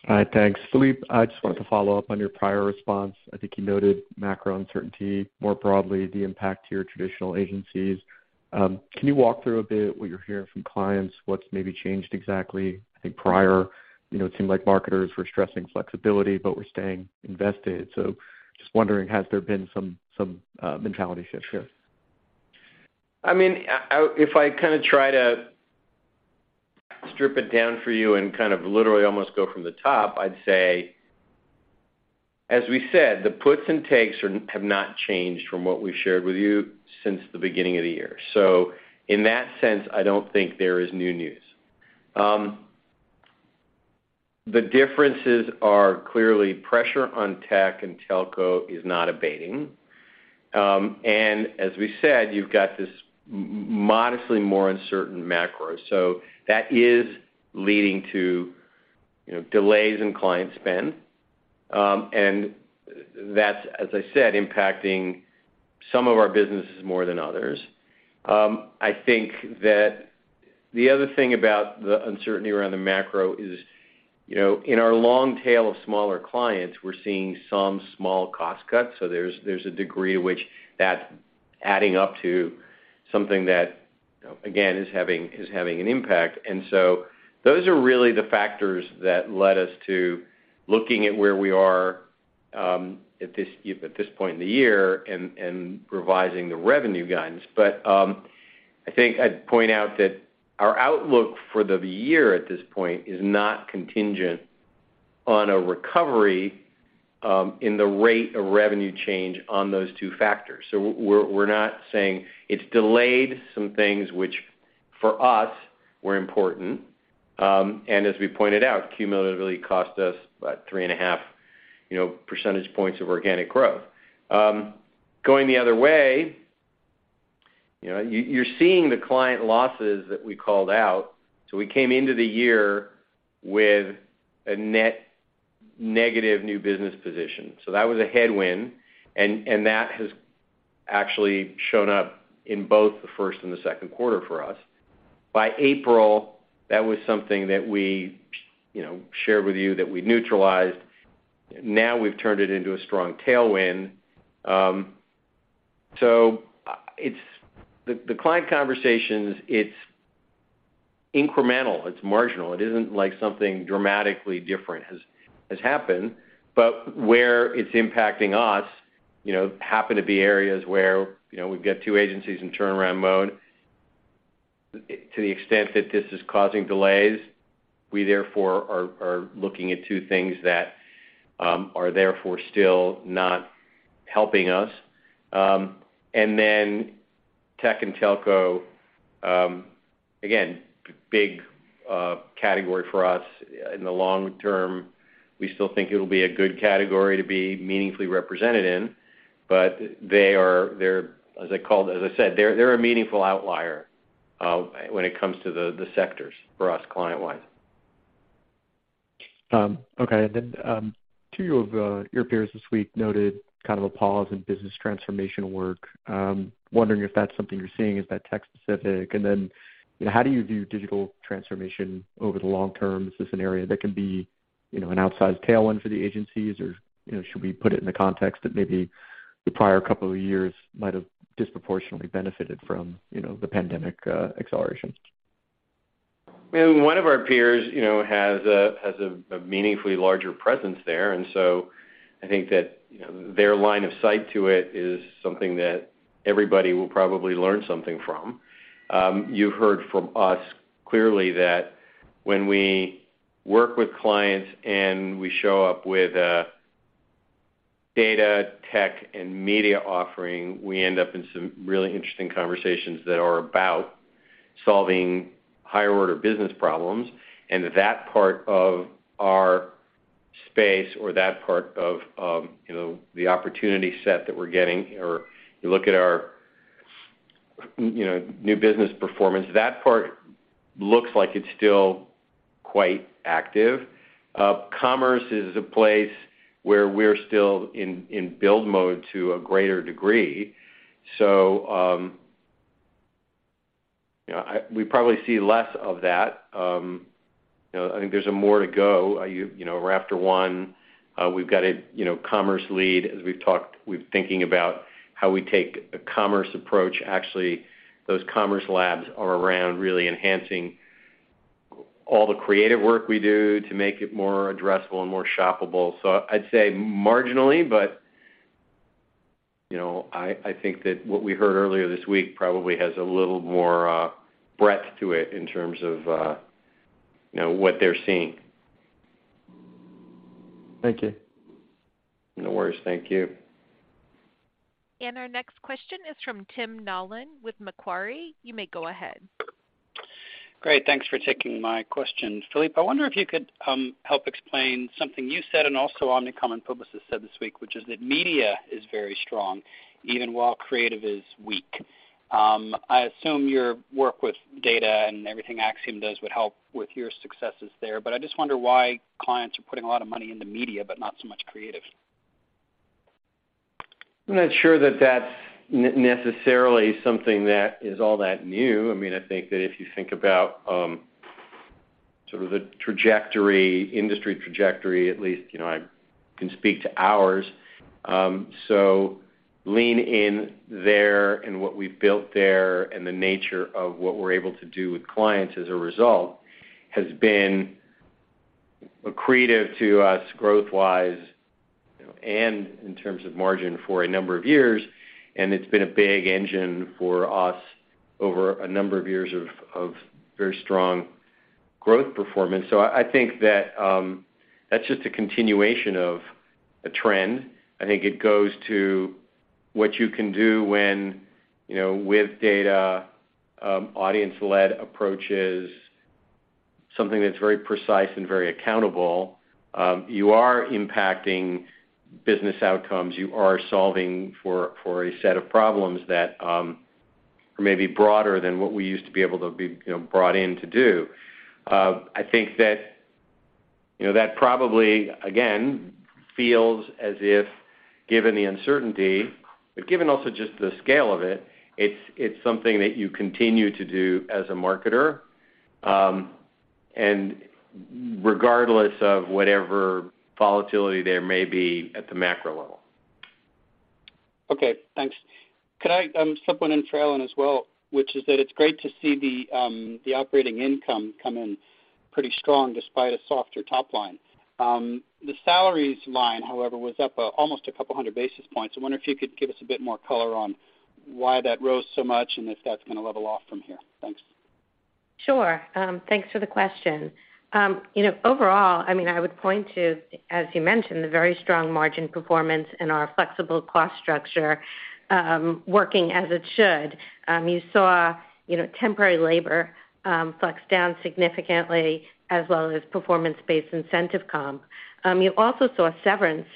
Hi, thanks, Philippe. I just wanted to follow up on your prior response. I think you noted macro uncertainty, more broadly, the impact to your traditional agencies. Can you walk through a bit what you're hearing from clients? What's maybe changed exactly? I think prior, you know, it seemed like marketers were stressing flexibility, but were staying invested. Just wondering, has there been some mentality shift here? I mean, if I kind of try to strip it down for you and kind of literally almost go from the top, I'd say, as we said, the puts and takes are, have not changed from what we've shared with you since the beginning of the year. In that sense, I don't think there is new news. The differences are clearly pressure on tech and telco is not abating. As we said, you've got this modestly more uncertain macro, so that is leading to, you know, delays in client spend. That's, as I said, impacting some of our businesses more than others. I think that the other thing about the uncertainty around the macro is, you know, in our long tail of smaller clients, we're seeing some small cost cuts, so there's a degree to which that's adding up to something that, again, is having an impact. Those are really the factors that led us to looking at where we are at this point in the year and revising the revenue guidance. I think I'd point out that our outlook for the year at this point is not contingent on a recovery in the rate of revenue change on those two factors. We're not saying it's delayed some things which, for us, were important, and as we pointed out, cumulatively cost us about 3.5 percentage points of organic growth. Going the other way, you know, you're seeing the client losses that we called out. We came into the year with a net negative new business position, that was a headwind, and that has actually shown up in both the first and the second quarter for us. By April, that was something that we, you know, shared with you, that we neutralized. We've turned it into a strong tailwind. The client conversations, it's incremental, it's marginal. It isn't like something dramatically different has happened, but where it's impacting us, you know, happen to be areas where, you know, we've got two agencies in turnaround mode. To the extent that this is causing delays, we therefore are looking at two things that are therefore still not helping us. Tech and telco, again, big category for us in the long term. We still think it'll be a good category to be meaningfully represented in, but they're, as I said, they're a meaningful outlier when it comes to the sectors for us, client-wise. Okay. Two of your peers this week noted kind of a pause in business transformation work. Wondering if that's something you're seeing? Is that tech specific? How do you view digital transformation over the long term? Is this an area that can be, you know, an outsized tailwind for the agencies, or, you know, should we put it in the context that maybe the prior couple of years might have disproportionately benefited from, you know, the pandemic acceleration? One of our peers, you know, has a, has a meaningfully larger presence there, I think that, you know, their line of sight to it is something that everybody will probably learn something from. You've heard from us clearly that when we work with clients and we show up with a data, tech, and media offering, we end up in some really interesting conversations that are about solving higher order business problems. That part of our space or that part of, you know, the opportunity set that we're getting, or you look at our, you know, new business performance, that part looks like it's still quite active. Commerce is a place where we're still in build mode to a greater degree, so, you know, We probably see less of that. You know, I think there's a more to go. You know, we're after one, we've got a, you know, commerce lead. As we've talked, we're thinking about how we take a commerce approach. Actually, those commerce labs are around really enhancing all the creative work we do to make it more addressable and more shoppable. I'd say marginally, but. You know, I think that what we heard earlier this week probably has a little more breadth to it in terms of, you know, what they're seeing. Thank you. No worries. Thank you. Our next question is from Tim Nollen with Macquarie. You may go ahead. Great, thanks for taking my question, Philippe. I wonder if you could help explain something you said and also Omnicom and Publicis said this week, which is that media is very strong even while creative is weak. I assume your work with data and everything Acxiom does would help with your successes there, but I just wonder why clients are putting a lot of money into media, but not so much creative? I'm not sure that that's necessarily something that is all that new. I mean, I think that if you think about sort of the trajectory, industry trajectory, at least, you know, I can speak to ours. Lean in there and what we've built there and the nature of what we're able to do with clients as a result, has been accretive to us growth-wise, you know, and in terms of margin for a number of years, and it's been a big engine for us over a number of years of very strong growth performance. I think that that's just a continuation of a trend. I think it goes to what you can do when, you know, with data, audience-led approaches, something that's very precise and very accountable, you are impacting business outcomes, you are solving for a set of problems that may be broader than what we used to be able to be, you know, brought in to do. I think that, you know, that probably, again, feels as if, given the uncertainty, but given also just the scale of it's something that you continue to do as a marketer, regardless of whatever volatility there may be at the macro level. Okay, thanks. Could I slip one in for Ellen as well, which is that it's great to see the operating income come in pretty strong despite a softer top line. The salaries line, however, was up almost 200 basis points. I wonder if you could give us a bit more color on why that rose so much and if that's gonna level off from here? Thanks. Sure. Thanks for the question. You know, overall, I mean, I would point to, as you mentioned, the very strong margin performance and our flexible cost structure, working as it should. You saw, you know, temporary labor, flex down significantly, as well as performance-based incentive comp. You also saw severance,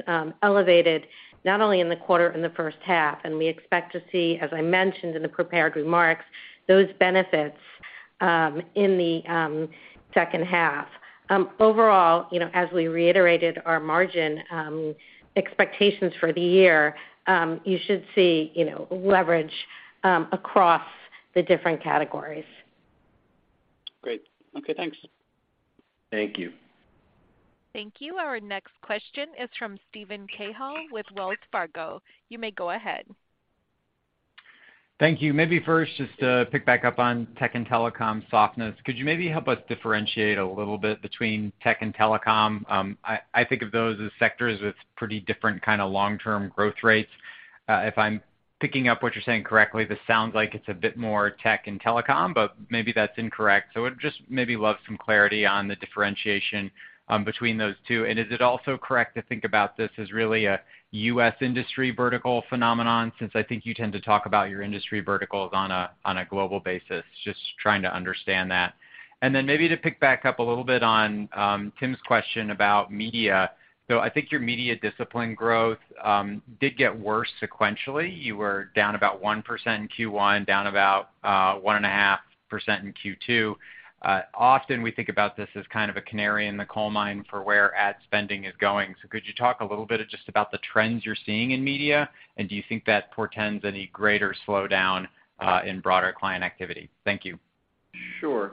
elevated not only in the quarter, in the first half, and we expect to see, as I mentioned in the prepared remarks, those benefits, in the second half. Overall, you know, as we reiterated our margin, expectations for the year, you should see, you know, leverage, across the different categories. Great. Okay, thanks. Thank you. Thank you. Our next question is from Steven Cahall with Wells Fargo. You may go ahead. Thank you. Maybe first, just to pick back up on tech and telecom softness, could you maybe help us differentiate a little bit between tech and telecom? I think of those as sectors with pretty different kind of long-term growth rates. If I'm picking up what you're saying correctly, this sounds like it's a bit more tech and telecom, but maybe that's incorrect. I would just maybe love some clarity on the differentiation between those two. Is it also correct to think about this as really a U.S. industry vertical phenomenon? Since I think you tend to talk about your industry verticals on a global basis. Just trying to understand that. Then maybe to pick back up a little bit on Tim's question about media. I think your media discipline growth did get worse sequentially. You were down about 1% in Q1, down about 1.5% in Q2. Often we think about this as kind of a canary in the coal mine for where ad spending is going. Could you talk a little bit just about the trends you're seeing in media, and do you think that portends any greater slowdown in broader client activity? Thank you. Sure.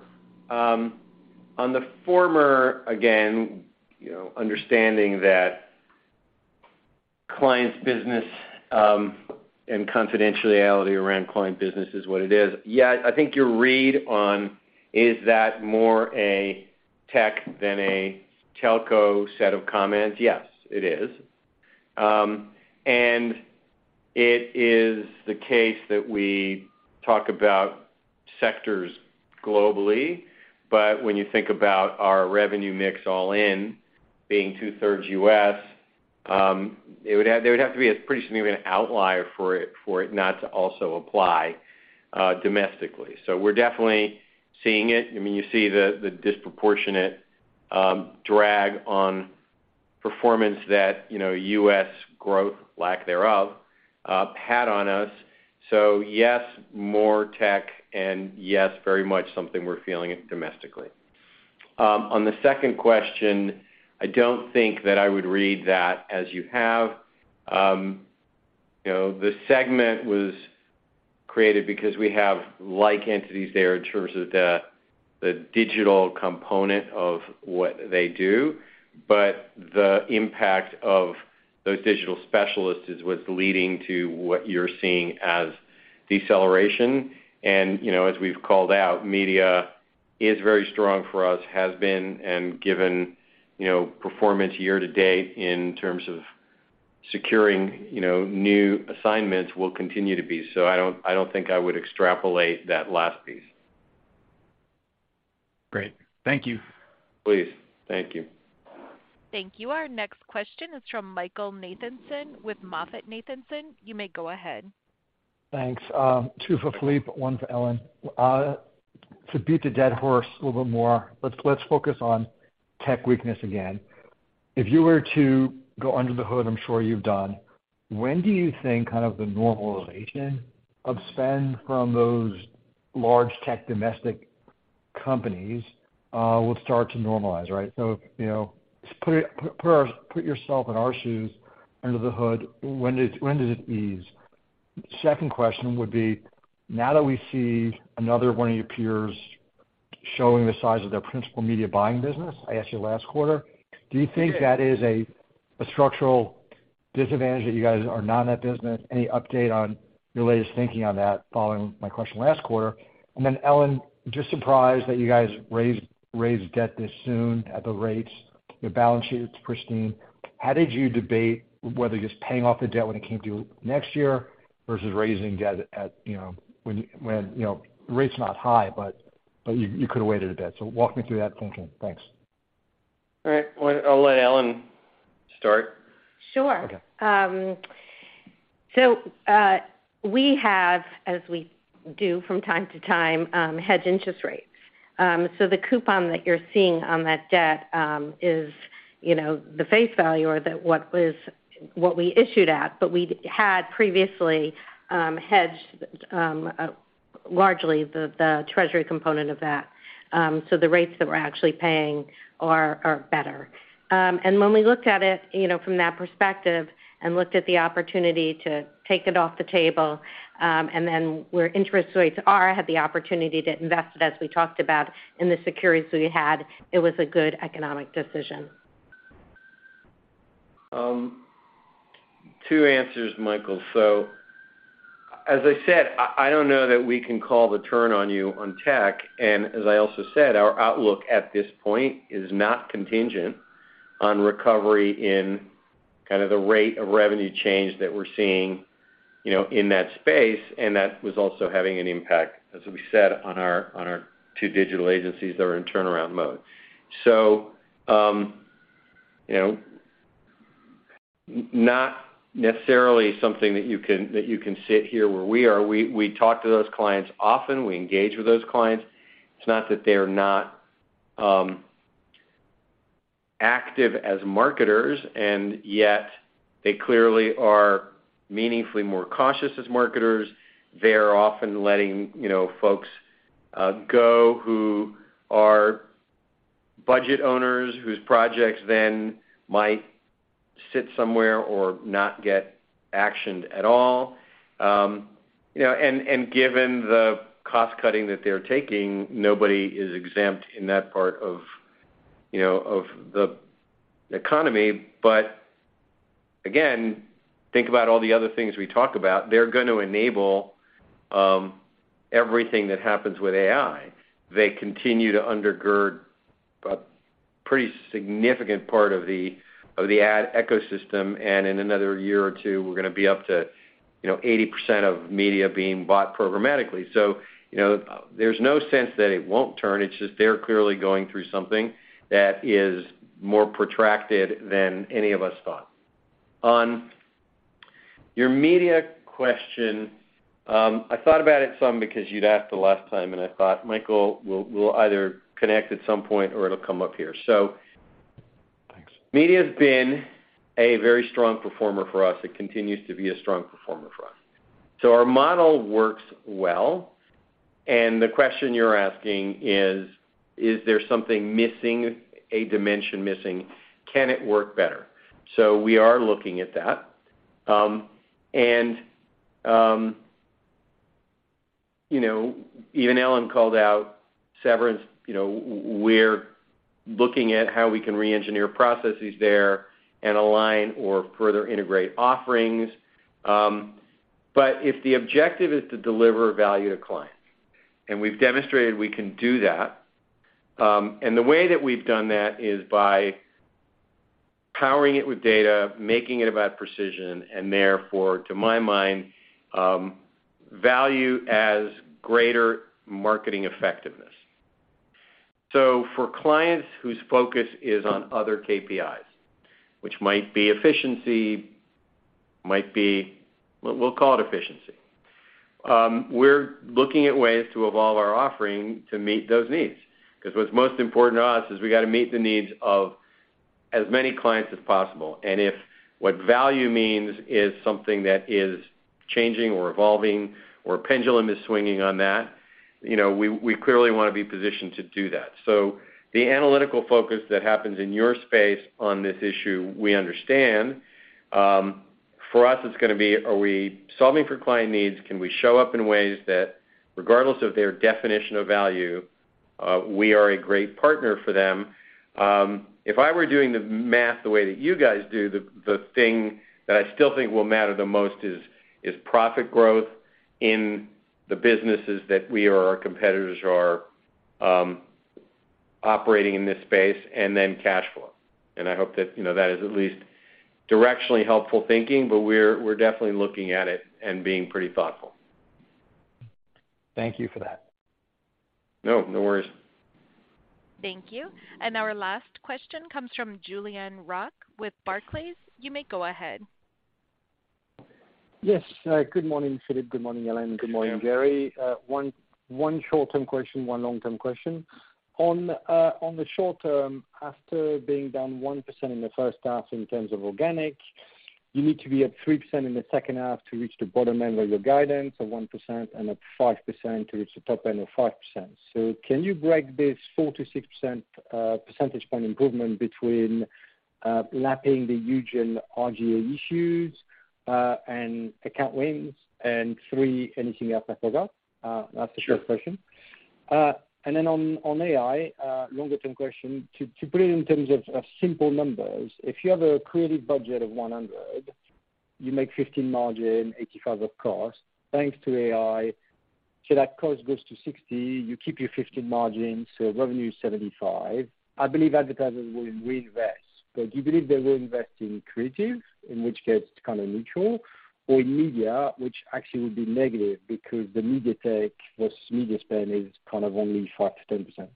On the former, again, you know, understanding that clients' business and confidentiality around client business is what it is. Yeah, I think your read on, is that more a tech than a telco set of comments? Yes, it is. It is the case that we talk about sectors globally, but when you think about our revenue mix all in, being two-thirds U.S., there would have to be a pretty significant outlier for it, for it not to also apply domestically. We're definitely seeing it. I mean, you see the disproportionate drag on performance that, you know, U.S. growth, lack thereof, had on us. Yes, more tech, and yes, very much something we're feeling it domestically. On the second question, I don't think that I would read that as you have. You know, the segment was created because we have like entities there in terms of the digital component of what they do, but the impact of those digital specialists is what's leading to what you're seeing as deceleration. You know, as we've called out, media is very strong for us, has been, and given, you know, performance year to date in terms of securing, you know, new assignments, will continue to be. I don't think I would extrapolate that last piece. Great. Thank you. Please. Thank you. Thank you. Our next question is from Michael Nathanson with MoffettNathanson. You may go ahead. Thanks. Two for Philippe, one for Ellen. To beat the dead horse a little bit more, let's focus on tech weakness again. If you were to go under the hood, I'm sure you've done, when do you think kind of the normalization of spend from those large tech domestic companies will start to normalize, right? You know, put yourself in our shoes under the hood, when does it ease? Second question would be, now that we see another one of your peers showing the size of their principal media buying business, I asked you last quarter, do you think that is a structural disadvantage that you guys are not in that business? Any update on your latest thinking on that, following my question last quarter? Ellen, just surprised that you guys raised debt this soon at the rates. Your balance sheet, it's pristine. How did you debate whether just paying off the debt when it came due next year versus raising debt at, you know, when, you know, rate's not high, but you could have waited a bit? Walk me through that thinking. Thanks. All right, well, I'll let Ellen start. Sure. Okay. We have, as we do from time to time, hedge interest rates. The coupon that you're seeing on that debt is, you know, the face value or that what we issued at, but we'd had previously hedged largely the Treasury component of that. The rates that we're actually paying are better. When we looked at it, you know, from that perspective and looked at the opportunity to take it off the table, where interest rates are, had the opportunity to invest it, as we talked about in the securities we had, it was a good economic decision. Two answers, Michael. As I said, I don't know that we can call the turn on you on tech, and as I also said, our outlook at this point is not contingent on recovery in kind of the rate of revenue change that we're seeing, you know, in that space, and that was also having an impact, as we said, on our two digital agencies that are in turnaround mode. You know, not necessarily something that you can sit here where we are. We talk to those clients often. We engage with those clients. It's not that they're not active as marketers, and yet they clearly are meaningfully more cautious as marketers. They're often letting, you know, folks go who are budget owners, whose projects then might sit somewhere or not get actioned at all. You know, and given the cost cutting that they're taking, nobody is exempt in that part of, you know, of the economy. Again, think about all the other things we talk about. They're going to enable everything that happens with AI. They continue to undergird a pretty significant part of the, of the ad ecosystem, in another year or two, we're gonna be up to, you know, 80% of media being bought programmatically. you know, there's no sense that it won't turn. It's just they're clearly going through something that is more protracted than any of us thought. On your media question, I thought about it some because you'd asked the last time, and I thought, Michael will either connect at some point or it'll come up here. Thanks. Media's been a very strong performer for us. It continues to be a strong performer for us. Our model works well, and the question you're asking is: Is there something missing, a dimension missing? Can it work better? We are looking at that. You know, even Ellen called out severance. You know, we're looking at how we can reengineer processes there and align or further integrate offerings. If the objective is to deliver value to clients, and we've demonstrated we can do that, and the way that we've done that is by powering it with data, making it about precision, and therefore, to my mind, value as greater marketing effectiveness. For clients whose focus is on other KPIs, which might be efficiency, might be. We'll call it efficiency. We're looking at ways to evolve our offering to meet those needs. What's most important to us is we got to meet the needs of as many clients as possible, and if what value means is something that is changing or evolving, or pendulum is swinging on that, you know, we clearly want to be positioned to do that. The analytical focus that happens in your space on this issue, we understand. For us, it's gonna be, are we solving for client needs? Can we show up in ways that, regardless of their definition of value, we are a great partner for them? If I were doing the math the way that you guys do, the thing that I still think will matter the most is profit growth in the businesses that we or our competitors are operating in this space and then cash flow. I hope that, you know, that is at least directionally helpful thinking, but we're definitely looking at it and being pretty thoughtful. Thank you for that. No, no worries. Thank you. Our last question comes from Julien Roch with Barclays. You may go ahead. Yes. Good morning, Philippe. Good morning, Ellen. Good morning. Good morning, Jerry. one short-term question, one long-term question. On the short term, after being down 1% in the first half in terms of organic, you need to be at 3% in the second half to reach the bottom end of your guidance of 1% and at 5% to reach the top end of 5%. Can you break this 4%-6% percentage point improvement between lapping the Huge and R/GA issues and account wins, and three, anything else I forgot? That's the first question. Then on AI, longer-term question, to put it in terms of simple numbers: if you have a creative budget of 100, you make 15% margin, 85% of cost, thanks to AI, so that cost goes to 60%, you keep your 15% margin, so revenue is 75%. I believe advertisers will reinvest. Do you believe they will invest in creative, in which case it's kinda neutral, or in media, which actually would be negative because the media tech plus media spend is kind of only 5%-10%?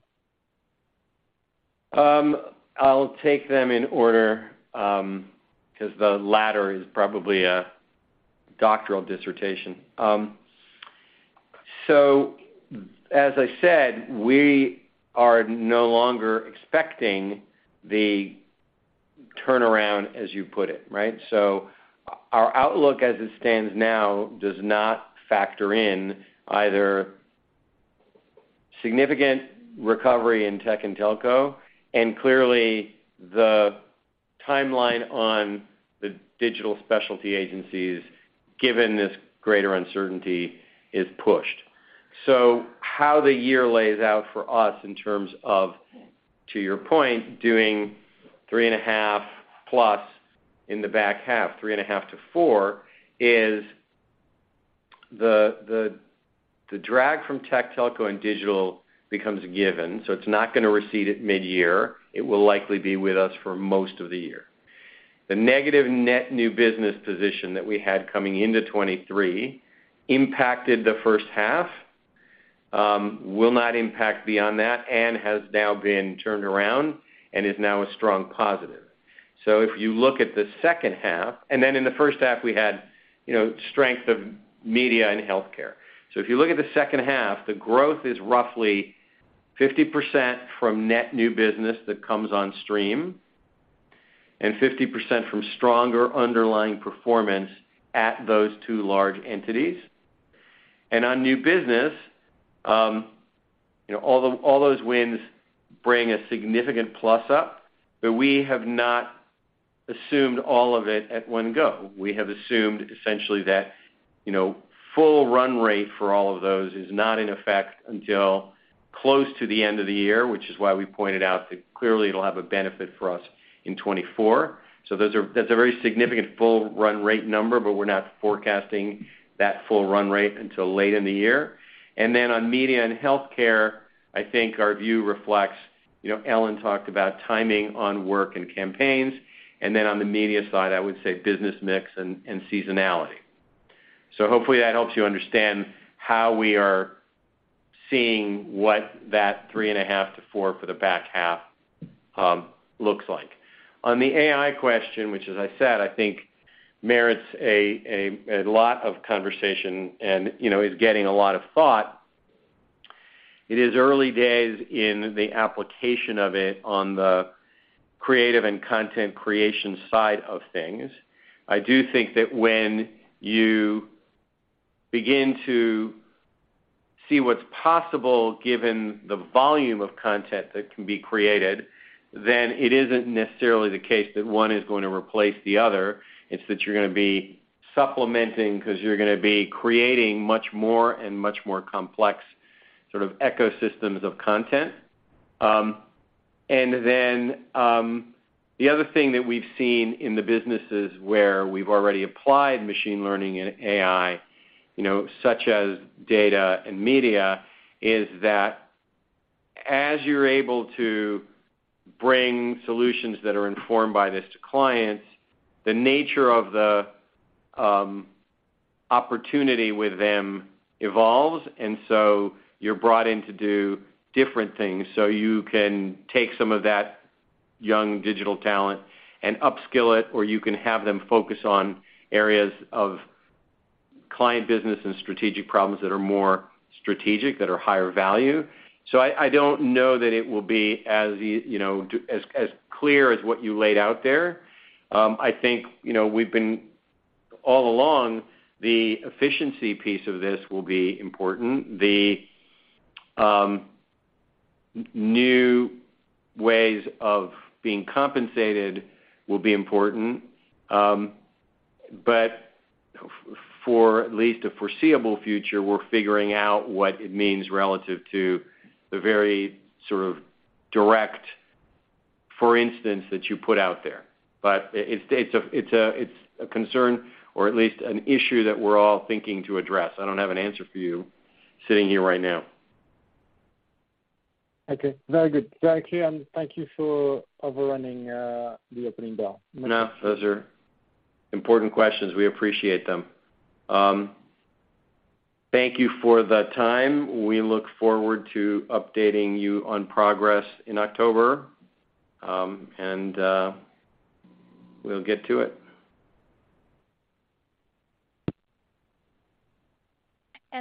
I'll take them in order, 'cause the latter is probably a doctoral dissertation. As I said, we are no longer expecting the turnaround, as you put it, right? Our outlook as it stands now, does not factor in either significant recovery in tech and telco, clearly, the timeline on the digital specialty agencies, given this greater uncertainty, is pushed. How the year lays out for us in terms of, to your point, doing three and a half+ in the back half, three and a half to four, is the drag from tech, telco, and digital becomes a given, it's not gonna recede at midyear. It will likely be with us for most of the year. The negative net new business position that we had coming into 2023 impacted the first half, will not impact beyond that, and has now been turned around and is now a strong positive. If you look at the second half. In the first half, we had strength of media and healthcare. If you look at the second half, the growth is roughly 50% from net new business that comes on stream, and 50% from stronger underlying performance at those two large entities. On new business, all those wins bring a significant plus up, but we have not assumed all of it at one go. We have assumed essentially that, you know, full run rate for all of those is not in effect until close to the end of the year, which is why we pointed out that clearly it'll have a benefit for us in 2024. That's a very significant full run rate number, but we're not forecasting that full run rate until late in the year. On media and healthcare, I think our view reflects, you know, Ellen talked about timing on work and campaigns, and then on the media side, I would say business mix and seasonality. Hopefully, that helps you understand how we are seeing what that 3.5% to 4% for the back half looks like. On the AI question, which as I said, I think merits a lot of conversation and, you know, is getting a lot of thought, it is early days in the application of it on the creative and content creation side of things. I do think that when you begin to see what's possible, given the volume of content that can be created, then it isn't necessarily the case that one is going to replace the other. It's that you're gonna be supplementing, 'cause you're gonna be creating much more and much more complex sort of ecosystems of content. Then, the other thing that we've seen in the businesses where we've already applied machine learning and AI, you know, such as data and media, is that as you're able to bring solutions that are informed by this to clients, the nature of the opportunity with them evolves, you're brought in to do different things. You can take some of that young digital talent and upskill it, or you can have them focus on areas of client business and strategic problems that are more strategic, that are higher value. I don't know that it will be as you know, as clear as what you laid out there. I think, you know, all along, the efficiency piece of this will be important. The new ways of being compensated will be important. For at least the foreseeable future, we're figuring out what it means relative to the very sort of direct, for instance, that you put out there. It's a concern, or at least an issue that we're all thinking to address. I don't have an answer for you sitting here right now. Okay, very good. Very clear, and thank you for overrunning, the opening bell. No, those are important questions. We appreciate them. Thank you for the time. We look forward to updating you on progress in October. We'll get to it.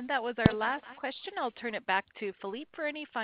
That was our last question. I'll turn it back to Philippe for any final remarks.